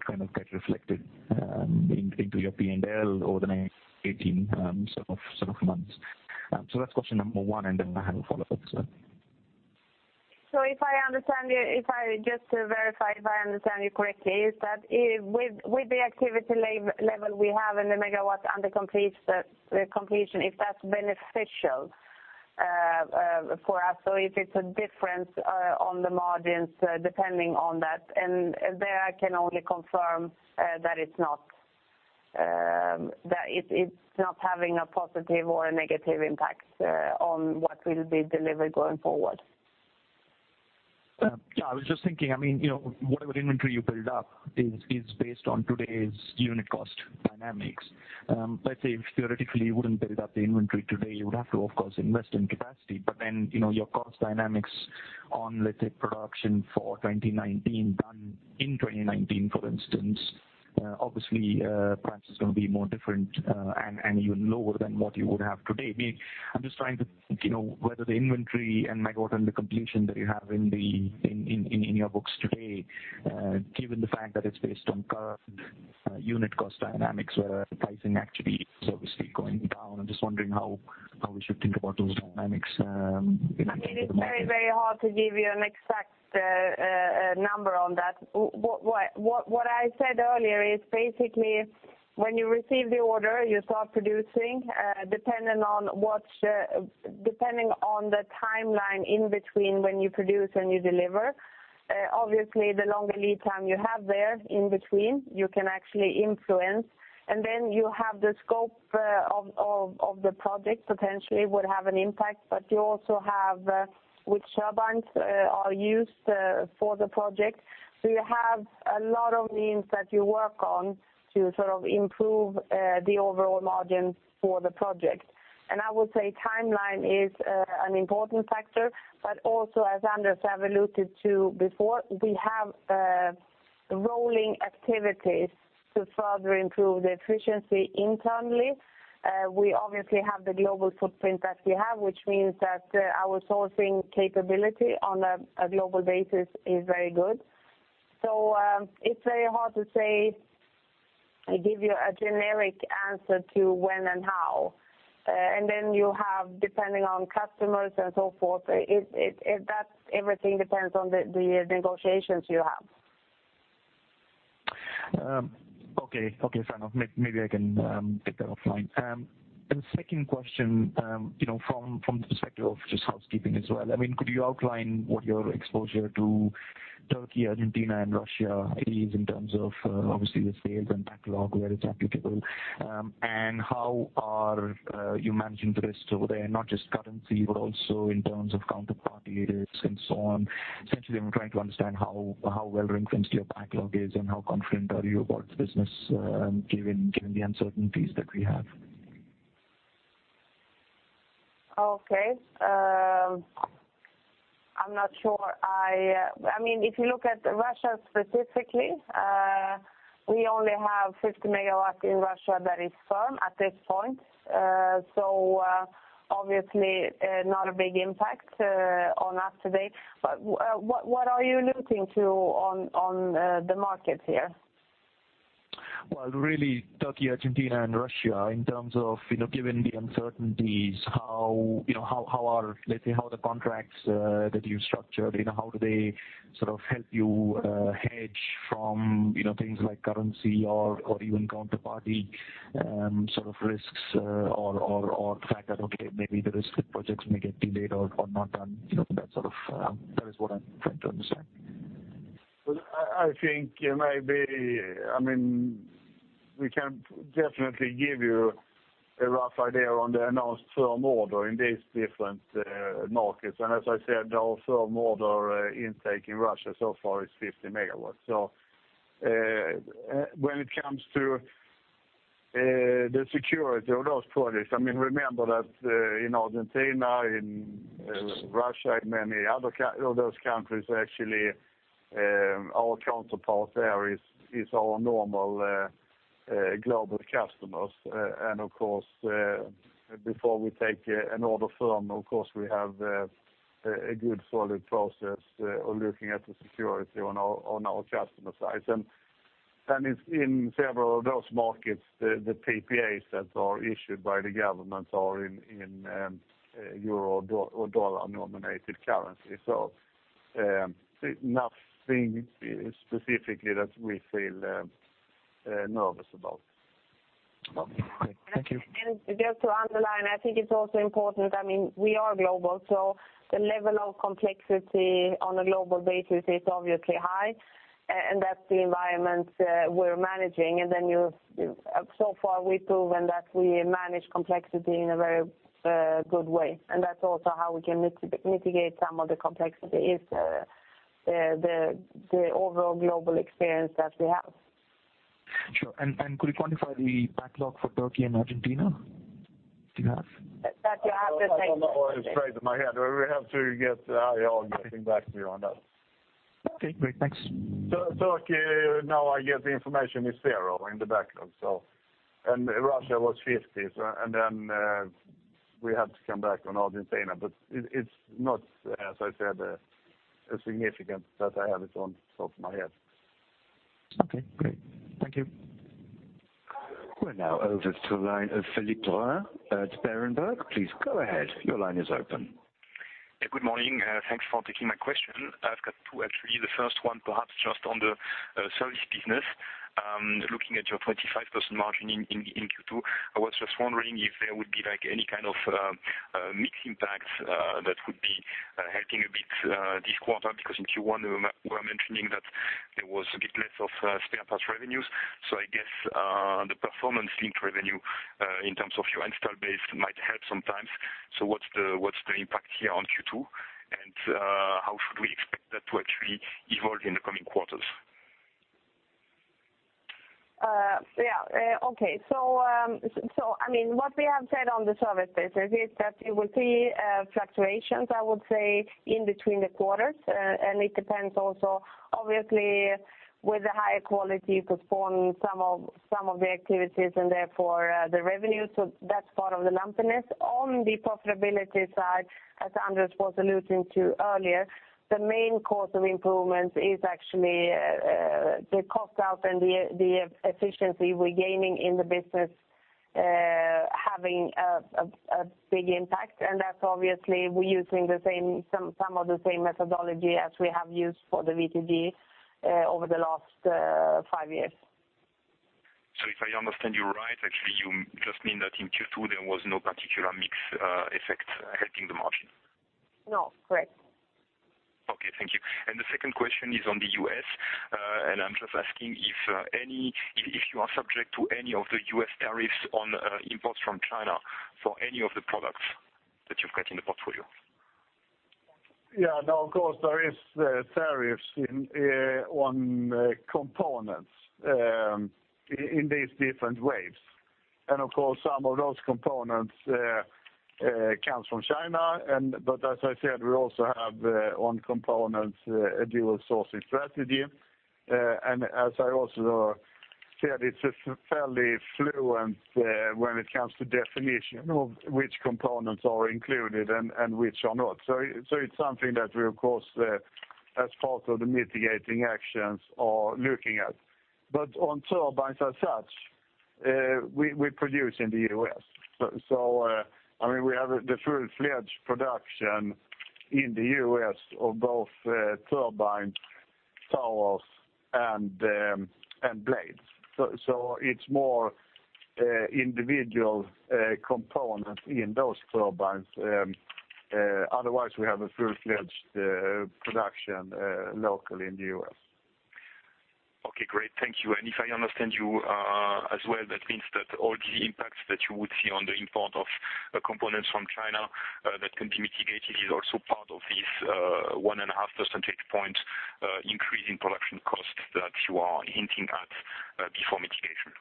K: kind of get reflected into your P&L over the next 18 sort of months? That's question number 1, I have a follow-up.
B: If I just verify if I understand you correctly, is that with the activity level we have in the MW under completion, if that's beneficial for us or if it's a difference on the margins depending on that. There, I can only confirm that it's not having a positive or a negative impact on what will be delivered going forward.
K: I was just thinking, whatever inventory you build up is based on today's unit cost dynamics. Let's say if theoretically you wouldn't build up the inventory today, you would have to, of course, invest in capacity. Your cost dynamics on, let's say, production for 2019 done in 2019, for instance, obviously, perhaps it's going to be more different, and even lower than what you would have today. I'm just trying to think, whether the inventory and MW under completion that you have in your books today, given the fact that it's based on current unit cost dynamics where the pricing actually is obviously going down, I'm just wondering how we should think about those dynamics.
B: I mean, it's very, very hard to give you an exact number on that. What I said earlier is basically when you receive the order, you start producing, depending on the timeline in between when you produce and you deliver. Obviously, the longer lead time you have there in between, you can actually influence. Then you have the scope of the project potentially would have an impact, but you also have which turbines are used for the project. You have a lot of means that you work on to sort of improve the overall margin for the project. I would say timeline is an important factor, but also, as Anders have alluded to before, we have rolling activities to further improve the efficiency internally. We obviously have the global footprint that we have, which means that our sourcing capability on a global basis is very good. It's very hard to say, I give you a generic answer to when and how. You have, depending on customers and so forth, everything depends on the negotiations you have.
K: Okay. Fair enough. Maybe I can take that offline. Second question, from the perspective of just housekeeping as well. Could you outline what your exposure to Turkey, Argentina, and Russia is in terms of, obviously, the sales and backlog where it's applicable? How are you managing the risks over there, not just currency, but also in terms of counterparty risks and so on? Essentially, I'm trying to understand how well-reinforced your backlog is and how confident are you about the business, given the uncertainties that we have.
B: Okay. I'm not sure. If you look at Russia specifically, we only have 50 MW in Russia that is firm at this point. Obviously, not a big impact on us today. What are you alluding to on the market here?
K: Well, really Turkey, Argentina, and Russia, in terms of, given the uncertainties, let's say, how the contracts that you've structured, how do they sort of help you hedge from things like currency or even counterparty sort of risks or the fact that, okay, maybe the risk of projects may get delayed or not done. That is what I'm trying to understand.
A: I think we can definitely give you a rough idea on the announced firm order in these different markets. As I said, our firm order intake in Russia so far is 50 MW. When it comes to the security of those projects, remember that in Argentina, in Russia, in many other of those countries, actually, our counterpart there is our normal global customers. Before we take an order firm, of course, we have a good solid process of looking at the security on our customer sites. In several of those markets, the PPAs that are issued by the government are in euro or dollar-denominated currency. Nothing specifically that we feel nervous about.
K: Okay. Thank you.
B: Just to underline, I think it's also important. We are global, so the level of complexity on a global basis is obviously high, and that's the environment we're managing. So far, we've proven that we manage complexity in a very good way, and that's also how we can mitigate some of the complexity is the overall global experience that we have.
K: Sure. Could you quantify the backlog for Turkey and Argentina? Do you have?
B: That you have the same-
A: I don't know it straight in my head. We have to get back to you on that.
K: Okay, great. Thanks.
A: Turkey, now I get the information, is zero in the backlog. Russia was 50. We have to come back on Argentina. It's not, as I said, significant that I have it on the top of my head.
K: Okay, great. Thank you.
C: We're now over to the line of Philippe Lorrain at Berenberg. Please go ahead. Your line is open.
L: Good morning. Thanks for taking my question. I've got two, actually. The first one, perhaps just on the service business. Looking at your 25% margin in Q2, I was just wondering if there would be any kind of mix impact that would be helping a bit this quarter, because in Q1, you were mentioning that there was a bit less of spare parts revenues. I guess, the performance linked revenue, in terms of your install base, might help sometimes. What's the impact here on Q2, and how should we expect that to actually evolve in the coming quarters?
B: Yeah. Okay. What we have said on the service business is that you will see fluctuations, I would say, in between the quarters. It depends also, obviously, with the higher quality, postpone some of the activities and therefore, the revenue. That's part of the lumpiness. On the profitability side, as Anders was alluding to earlier, the main cause of improvements is actually the cost out and the efficiency we're gaining in the business, having a big impact. That's obviously, we're using some of the same methodology as we have used for the V2D over the last five years.
L: If I understand you right, actually, you just mean that in Q2, there was no particular mix effect helping the margin.
B: No, correct.
L: Okay, thank you. The second question is on the U.S., and I'm just asking if you are subject to any of the U.S. tariffs on imports from China for any of the products that you've got in the portfolio?
A: Yeah, no, of course there is tariffs on components in these different waves. Of course, some of those components comes from China. As I said, we also have, on components, a dual sourcing strategy. As I also said, it's fairly fluent when it comes to definition of which components are included and which are not. It's something that we, of course, as part of the mitigating actions are looking at. On turbines as such, we produce in the U.S. We have the full-fledged production in the U.S. of both turbine towers and blades. It's more individual components in those turbines. Otherwise, we have a full-fledged production locally in the U.S.
L: Okay, great. Thank you. If I understand you, as well, that means that all the impacts that you would see on the import of components from China that can be mitigated is also part of this one-and-a-half percentage point increase in production costs that you are hinting at before mitigation.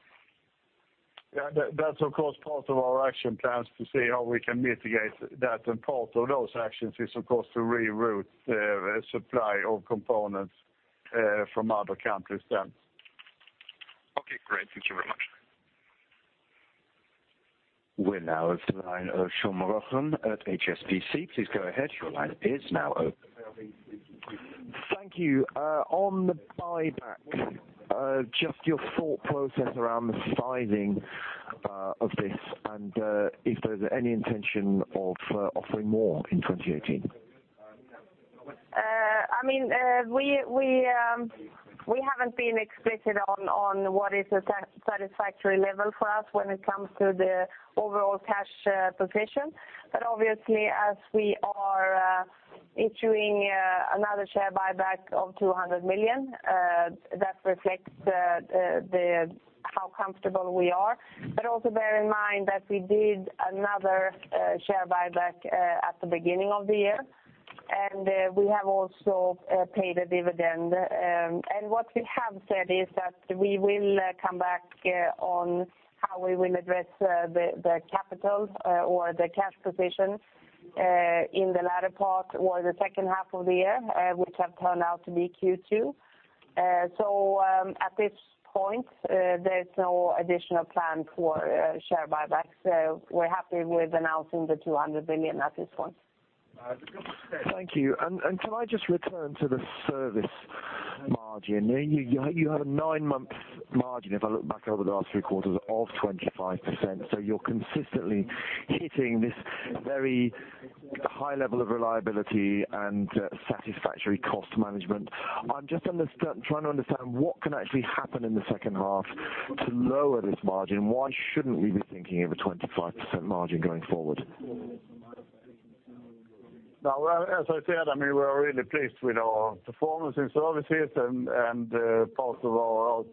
A: Yeah, that is of course part of our action plans to see how we can mitigate that. Part of those actions is, of course, to reroute the supply of components from other countries then.
L: Okay, great. Thank you very much.
C: We are now to the line of Sean McLoughlin at HSBC. Please go ahead. Your line is now open.
M: Thank you. On the buyback, just your thought process around the sizing of this, and if there is any intention of offering more in 2018.
B: We haven't been explicit on what is a satisfactory level for us when it comes to the overall cash position. Obviously, as we are issuing another share buyback of 200 million, that reflects how comfortable we are. Also bear in mind that we did another share buyback at the beginning of the year, and we have also paid a dividend. What we have said is that we will come back on how we will address the capital or the cash position in the latter part or the second half of the year, which have turned out to be Q2. At this point, there's no additional plan for share buybacks. We're happy with announcing the 200 million at this point.
M: Thank you. Can I just return to the service margin? You have a nine-month margin, if I look back over the last three quarters, of 25%, you're consistently hitting this very high level of reliability and satisfactory cost management. I'm just trying to understand what can actually happen in the second half to lower this margin. Why shouldn't we be thinking of a 25% margin going forward?
A: As I said, we're really pleased with our performance in services and part of our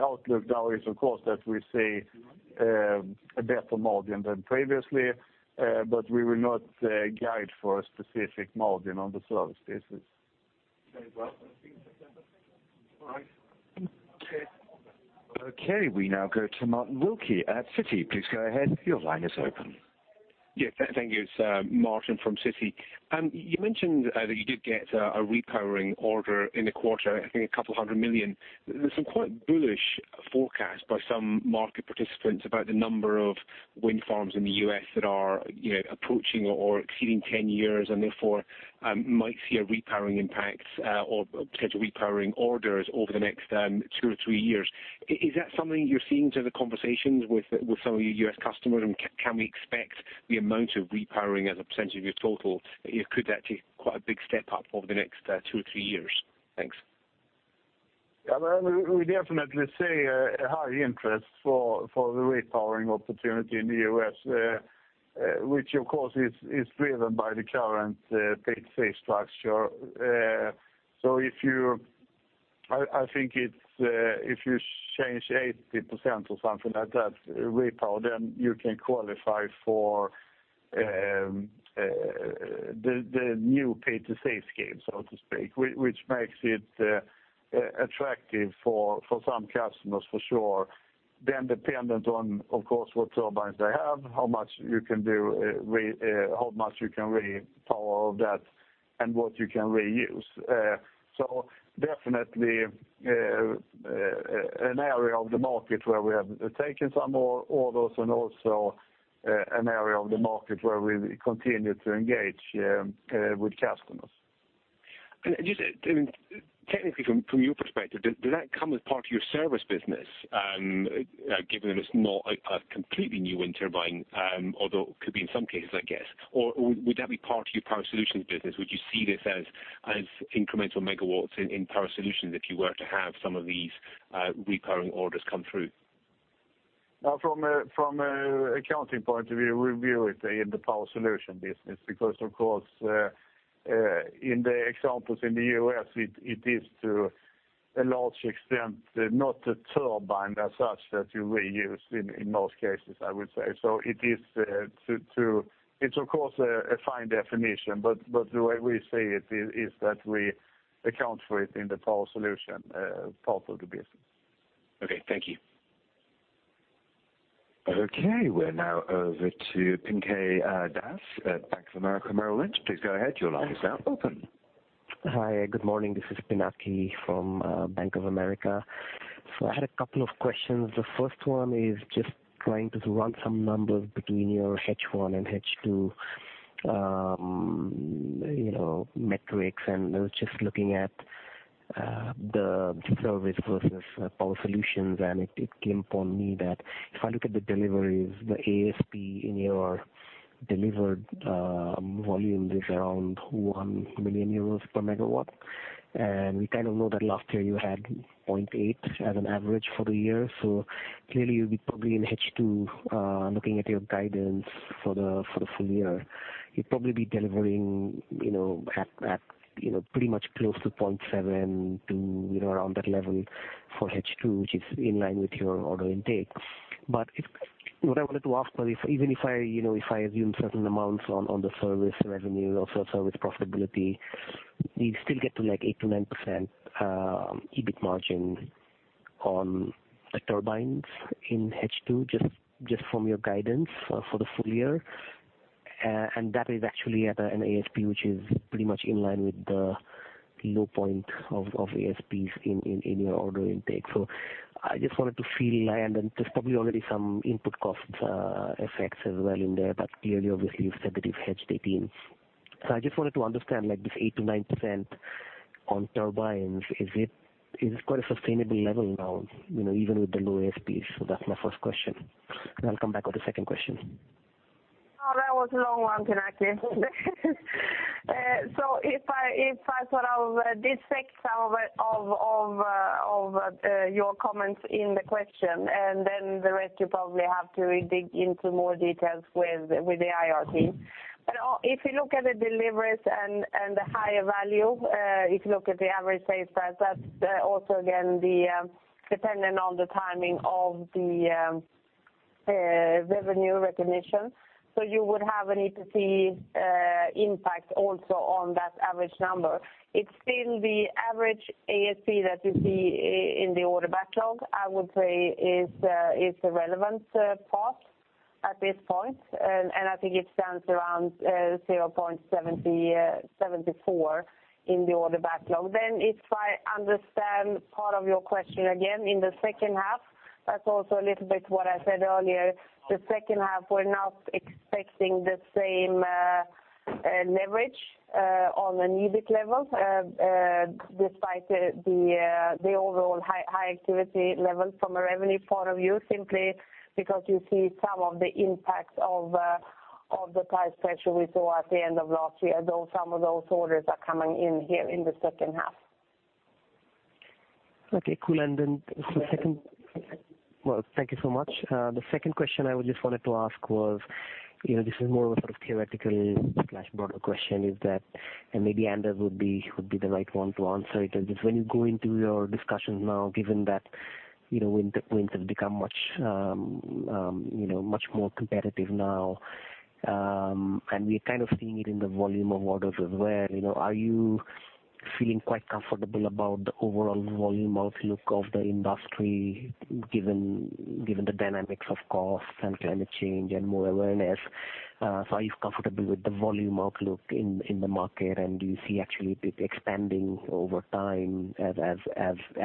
A: outlook now is, of course, that we see a better margin than previously, but we will not guide for a specific margin on the service business.
M: Very well. All right. Okay.
C: Okay, we now go to Martin Wilkie at Citi. Please go ahead. Your line is open.
N: Yes, thank you. It's Martin from Citi. You mentioned that you did get a repowering order in the quarter, I think a couple hundred million EUR. There's some quite bullish forecasts by some market participants about the number of wind farms in the U.S. that are approaching or exceeding 10 years, and therefore, might see a repowering impact or potential repowering orders over the next two or three years. Is that something you're seeing through the conversations with some of your U.S. customers, and can we expect the amount of repowering as a % of your total could actually quite a big step up over the next two or three years? Thanks.
A: We definitely see a high interest for the repowering opportunity in the U.S., which of course is driven by the current pay-as-you-save structure. I think if you change 80% or something like that repower, then you can qualify for the new Pay-As-You-Save scheme, so to speak, which makes it attractive for some customers, for sure. Dependent on, of course, what turbines they have, how much you can repower of that, and what you can reuse. Definitely, an area of the market where we have taken some more orders and also an area of the market where we continue to engage with customers.
N: Technically, from your perspective, does that come as part of your service business, given that it's not a completely new wind turbine, although it could be in some cases, I guess? Would that be part of your Power Solutions business? Would you see this as incremental MW in Power Solutions if you were to have some of these repowering orders come through?
A: From an accounting point of view, we view it in the Power Solutions business, because, of course, in the examples in the U.S., it's to a large extent, not a turbine as such that you reuse in most cases, I would say. It's of course a fine definition, but the way we see it is that we account for it in the Power Solutions part of the business.
N: Okay, thank you.
C: Okay, we're now over to Pinaki Das at Bank of America Merrill Lynch. Please go ahead, your line is now open.
O: Hi, good morning. This is Pinaki from Bank of America. I had a couple of questions. The first one is just trying to run some numbers between your H1 and H2 metrics, and I was just looking at the service versus Power Solutions, and it came upon me that if I look at the deliveries, the ASP in your delivered volumes is around 1 million euros per MW. We kind of know that last year you had 0.8 million as an average for the year. Clearly, you'll be probably in H2, looking at your guidance for the full year. You'd probably be delivering at pretty much close to 0.7 million to around that level for H2, which is in line with your order intake. What I wanted to ask was, even if I assume certain amounts on the service revenue or service profitability, we still get to, like, 8%-9% EBIT margin on the turbines in H2, just from your guidance for the full year. That is actually at an ASP, which is pretty much in line with the low point of ASPs in your order intake. I just wanted to feel, and there's probably already some input cost effects as well in there, but clearly, obviously, you've said that it is hedged 2018. I just wanted to understand this 8%-9% on turbines, is it quite a sustainable level now, even with the low ASPs? That's my first question. I'll come back with a second question.
B: That was a long one, Pinaki. If I sort of dissect some of your comments in the question, and then the rest, you probably have to re-dig into more details with the IR team. If you look at the deliveries and the higher value, if you look at the average sales price, that's also, again, dependent on the timing of the revenue recognition. You would have an EPC impact also on that average number. It's still the average ASP that you see in the order backlog, I would say is a relevant part at this point. I think it stands around 0.74 in the order backlog. If I understand part of your question again, in the second half, that's also a little bit what I said earlier. The second half, we're not expecting the same leverage on an EBIT level, despite the overall high activity levels from a revenue point of view, simply because you see some of the impacts of the price pressure we saw at the end of last year, though some of those orders are coming in here in the second half.
O: Okay, cool. Well, thank you so much. The second question I just wanted to ask was, this is more of a sort of theoretical/broader question is that, and maybe Anders would be the right one to answer it, is just when you go into your discussions now, given that wind has become much more competitive now, we are kind of seeing it in the volume of orders as well. Are you comfortable with the volume outlook in the market, and do you see actually it expanding over time as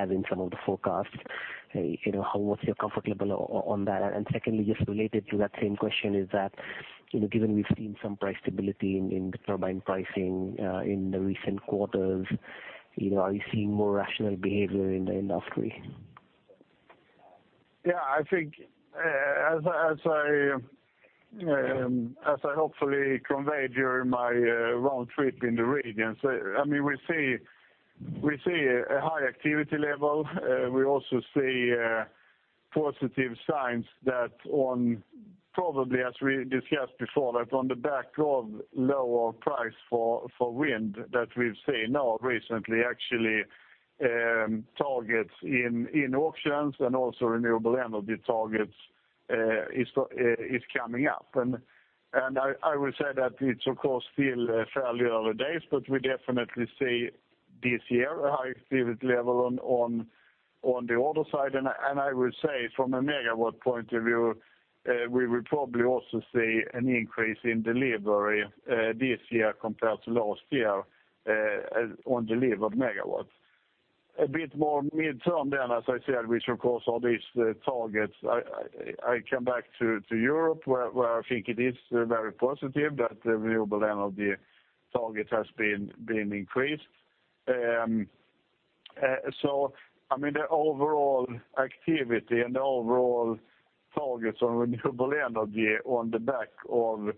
O: in some of the forecasts? How, what's your comfort on that? Secondly, just related to that same question is that, given we've seen some price stability in the turbine pricing, in the recent quarters, are we seeing more rational behavior in the industry?
A: Yeah, I think, as I hopefully conveyed during my round trip in the regions, we see a high activity level. We also see positive signs that on, probably as we discussed before, that on the back of lower price for wind that we've seen now recently, actually, targets in auctions and also renewable energy targets is coming up. I will say that it's of course still fairly early days, but we definitely see this year a high activity level on the order side. I will say from a megawatt point of view, we will probably also see an increase in delivery this year compared to last year on delivered megawatts. A bit more midterm then, as I said, which of course are these targets. I come back to Europe where I think it is very positive that the renewable energy target has been increased. The overall activity and the overall targets on renewable energy on the back of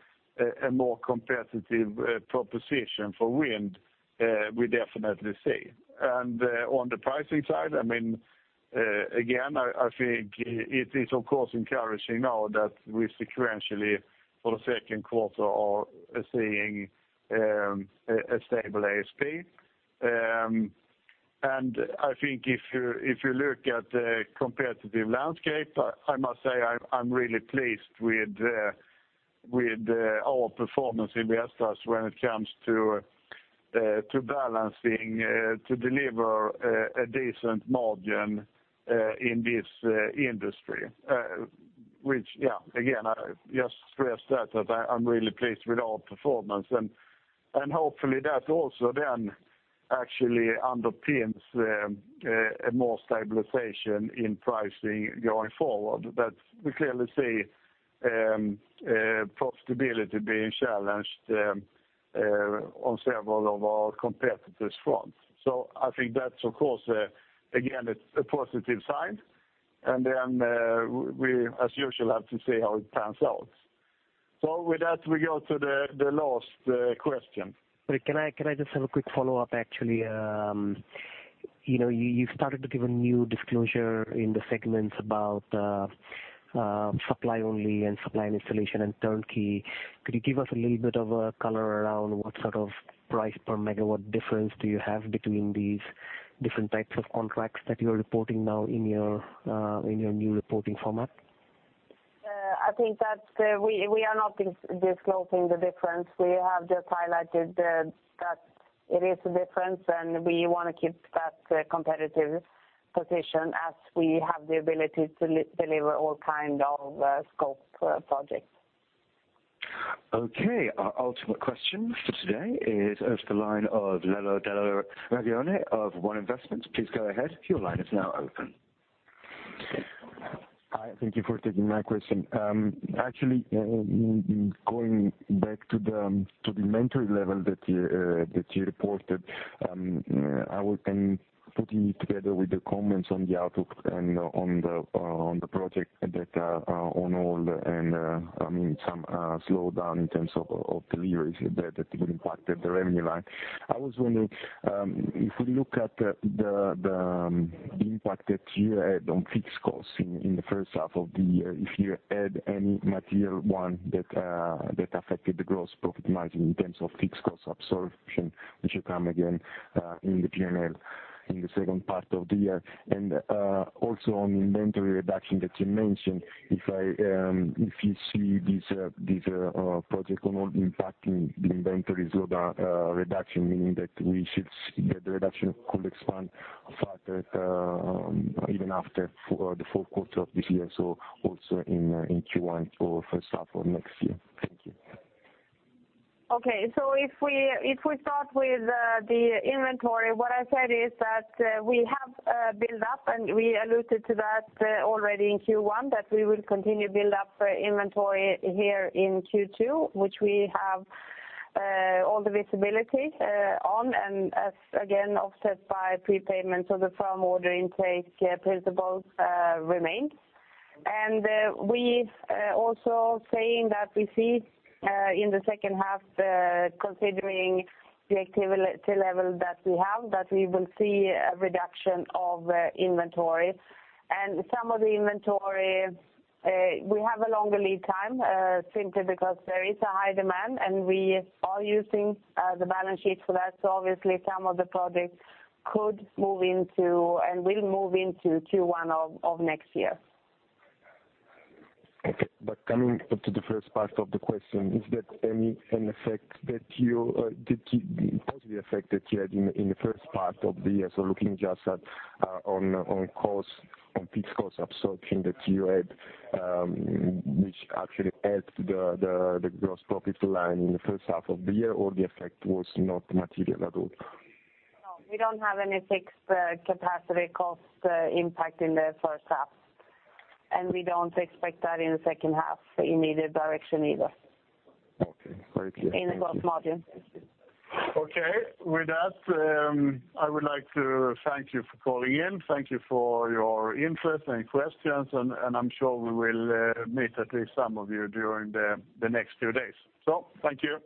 A: a more competitive proposition for wind, we definitely see. On the pricing side, again, I think it is of course encouraging now that we sequentially for the second quarter are seeing a stable ASP. I think if you look at the competitive landscape, I must say I'm really pleased with our performance in Vestas when it comes to balancing to deliver a decent margin in this industry. Which, yeah, again, I just stress that I'm really pleased with our performance and hopefully that also then actually underpins more stabilization in pricing going forward. We clearly see profitability being challenged on several of our competitors' fronts. I think that's of course, again, it's a positive sign. We as usual, have to see how it pans out. With that, we go to the last question.
O: Can I just have a quick follow-up, actually? You started to give a new disclosure in the segments about supply only and supply and installation and turnkey. Could you give us a little bit of a color around what sort of price per megawatt difference do you have between these different types of contracts that you're reporting now in your new reporting format?
B: I think that we are not disclosing the difference. We have just highlighted that it is a difference, and we want to keep that competitive position as we have the ability to deliver all kind of scope projects.
C: Okay. Our ultimate question for today is of the line of Lello Del Ragione of One Investments. Please go ahead. Your line is now open.
P: Thank you for taking my question. Actually, going back to the inventory level that you reported, I am putting it together with the comments on the outlook and on the project that are on hold, and some slowdown in terms of deliveries that impacted the revenue line. I was wondering, if we look at the impact that you had on fixed costs in the first half of the year, if you had any material one that affected the gross profit margin in terms of fixed cost absorption, which will come again in the P&L in the second part of the year? Also on the inventory reduction that you mentioned, if you see this project on hold impacting the inventories reduction, meaning that we should see that the reduction could expand further, even after the fourth quarter of this year, so also in Q1 or first half of next year. Thank you.
B: Okay. If we start with the inventory, what I said is that we have a build-up, and we alluded to that already in Q1, that we will continue build up inventory here in Q2, which we have all the visibility on. As, again, offset by prepayment of the firm order intake principles remained. We also saying that we see, in the second half, considering the activity level that we have, that we will see a reduction of inventory. Some of the inventory, we have a longer lead time, simply because there is a high demand, and we are using the balance sheet for that. Obviously some of the projects could move into and will move into Q1 of next year.
P: Okay. Coming up to the first part of the question, is that any positive effect that you had in the first part of the year? Looking just on fixed cost absorption that you had, which actually helped the gross profit line in the first half of the year, or the effect was not material at all?
B: No. We don't have any fixed capacity cost impact in the first half, we don't expect that in the second half in either direction either.
P: Okay. Thank you.
B: In the gross margin. Thank you.
A: Okay. With that, I would like to thank you for calling in. Thank you for your interest and questions, and I'm sure we will meet at least some of you during the next few days. Thank you.